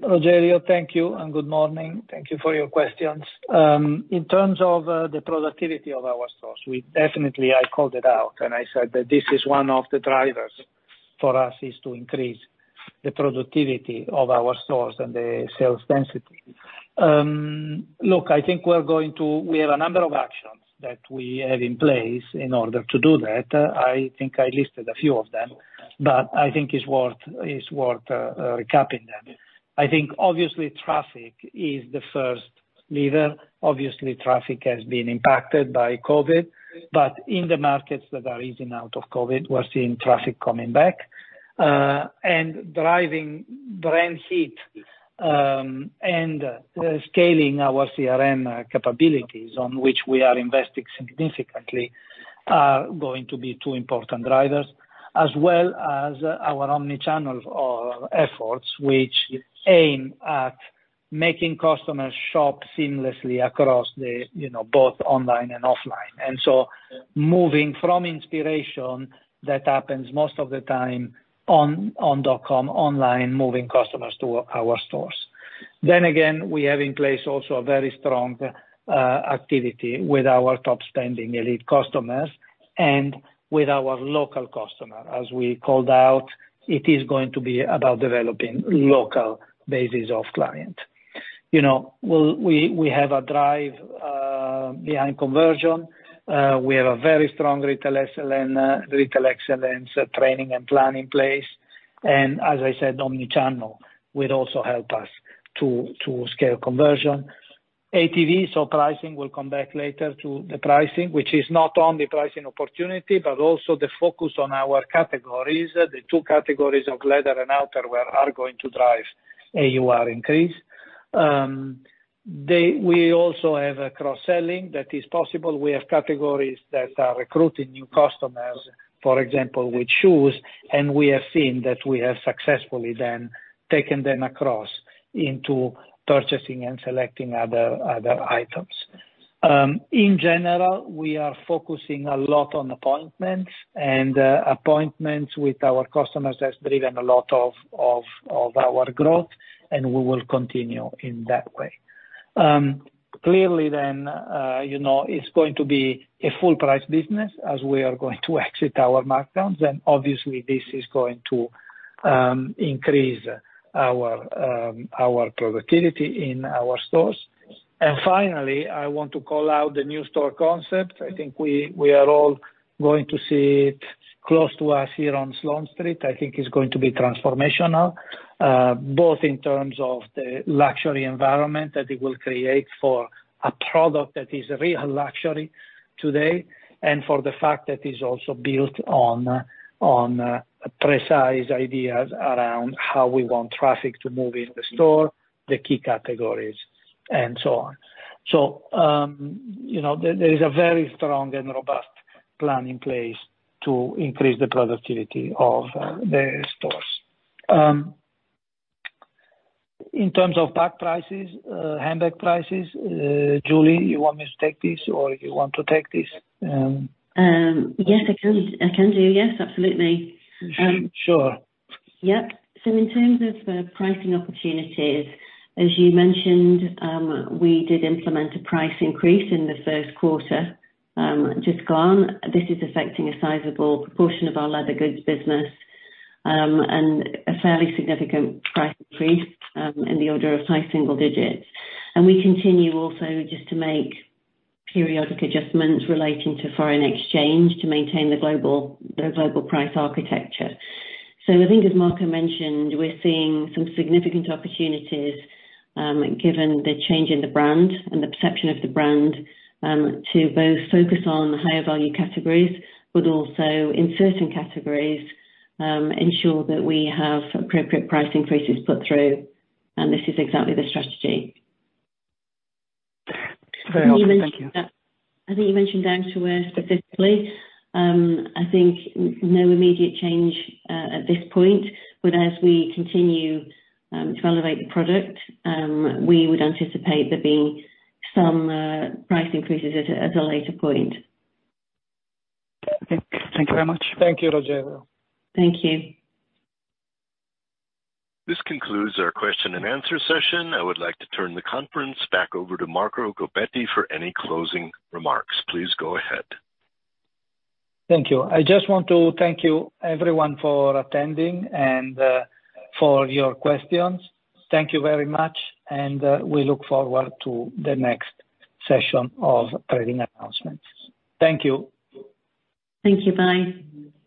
Rogerio, thank you, and good morning. Thank you for your questions. In terms of the productivity of our stores, definitely I called it out when I said that this is one of the drivers for us is to increase the productivity of our stores and the sales density. Look, I think we have a number of actions that we have in place in order to do that. I think I listed a few of them, but I think it's worth recapping them. I think obviously traffic is the first lever. Obviously, traffic has been impacted by COVID-19, but in the markets that are easing out of COVID-19, we're seeing traffic coming back. Driving brand heat and scaling our CRM capabilities, on which we are investing significantly, are going to be two important drivers, as well as our omni-channel efforts, which aim at making customers shop seamlessly across both online and offline. Moving from inspiration that happens most of the time on burberry.com online, moving customers to our stores. We have in place also a very strong activity with our top-spending elite customers and with our local customer. As we called out, it is going to be about developing local bases of client. We have a drive behind conversion. We have a very strong retail excellence training and plan in place. As I said, omni-channel will also help us to scale conversion. ATVs or pricing, we'll come back later to the pricing, which is not only pricing opportunity, but also the focus on our categories. The two categories of leather and outerwear are going to drive AUR increase. We also have a cross-selling that is possible. We have categories that are recruiting new customers, for example, with shoes, and we have seen that we have successfully then taken them across into purchasing and selecting other items. In general, we are focusing a lot on appointments, and appointments with our customers has driven a lot of our growth, and we will continue in that way. Clearly, it's going to be a full-price business as we are going to exit our markdowns, and obviously this is going to increase our productivity in our stores. Finally, I want to call out the new store concept. I think we are all going to see it close to us here on Sloane Street. I think it's going to be transformational, both in terms of the luxury environment that it will create for a product that is real luxury today, and for the fact that it's also built on precise ideas around how we want traffic to move in the store, the key categories, and so on. There is a very strong and robust plan in place to increase the productivity of the stores. In terms of bag prices, handbag prices, Julie, you want me to take this or you want to take this? Yes, I can, dear. Yes, absolutely. Sure. Yep. In terms of the pricing opportunities, as you mentioned, we did implement a price increase in the first quarter just gone. This is affecting a sizable proportion of our leather goods business, and a fairly significant price increase, in the order of high single digits. We continue also just to make periodic adjustments relating to foreign exchange to maintain the global price architecture. I think as Marco mentioned, we're seeing some significant opportunities, given the change in the brand and the perception of the brand, to both focus on the higher value categories, but also in certain categories, ensure that we have appropriate price increases put through, and this is exactly the strategy. Very helpful. Thank you. I think you mentioned down to where specifically. I think no immediate change at this point, but as we continue to elevate the product, we would anticipate there being some price increases at a later point. Okay. Thank you very much. Thank you, Rogerio. Thank you. This concludes our question and answer session. I would like to turn the conference back over to Marco Gobbetti for any closing remarks. Please go ahead. Thank you. I just want to thank you everyone for attending and for your questions. Thank you very much, and we look forward to the next session of trading announcements. Thank you. Thank you. Bye. Bye-bye.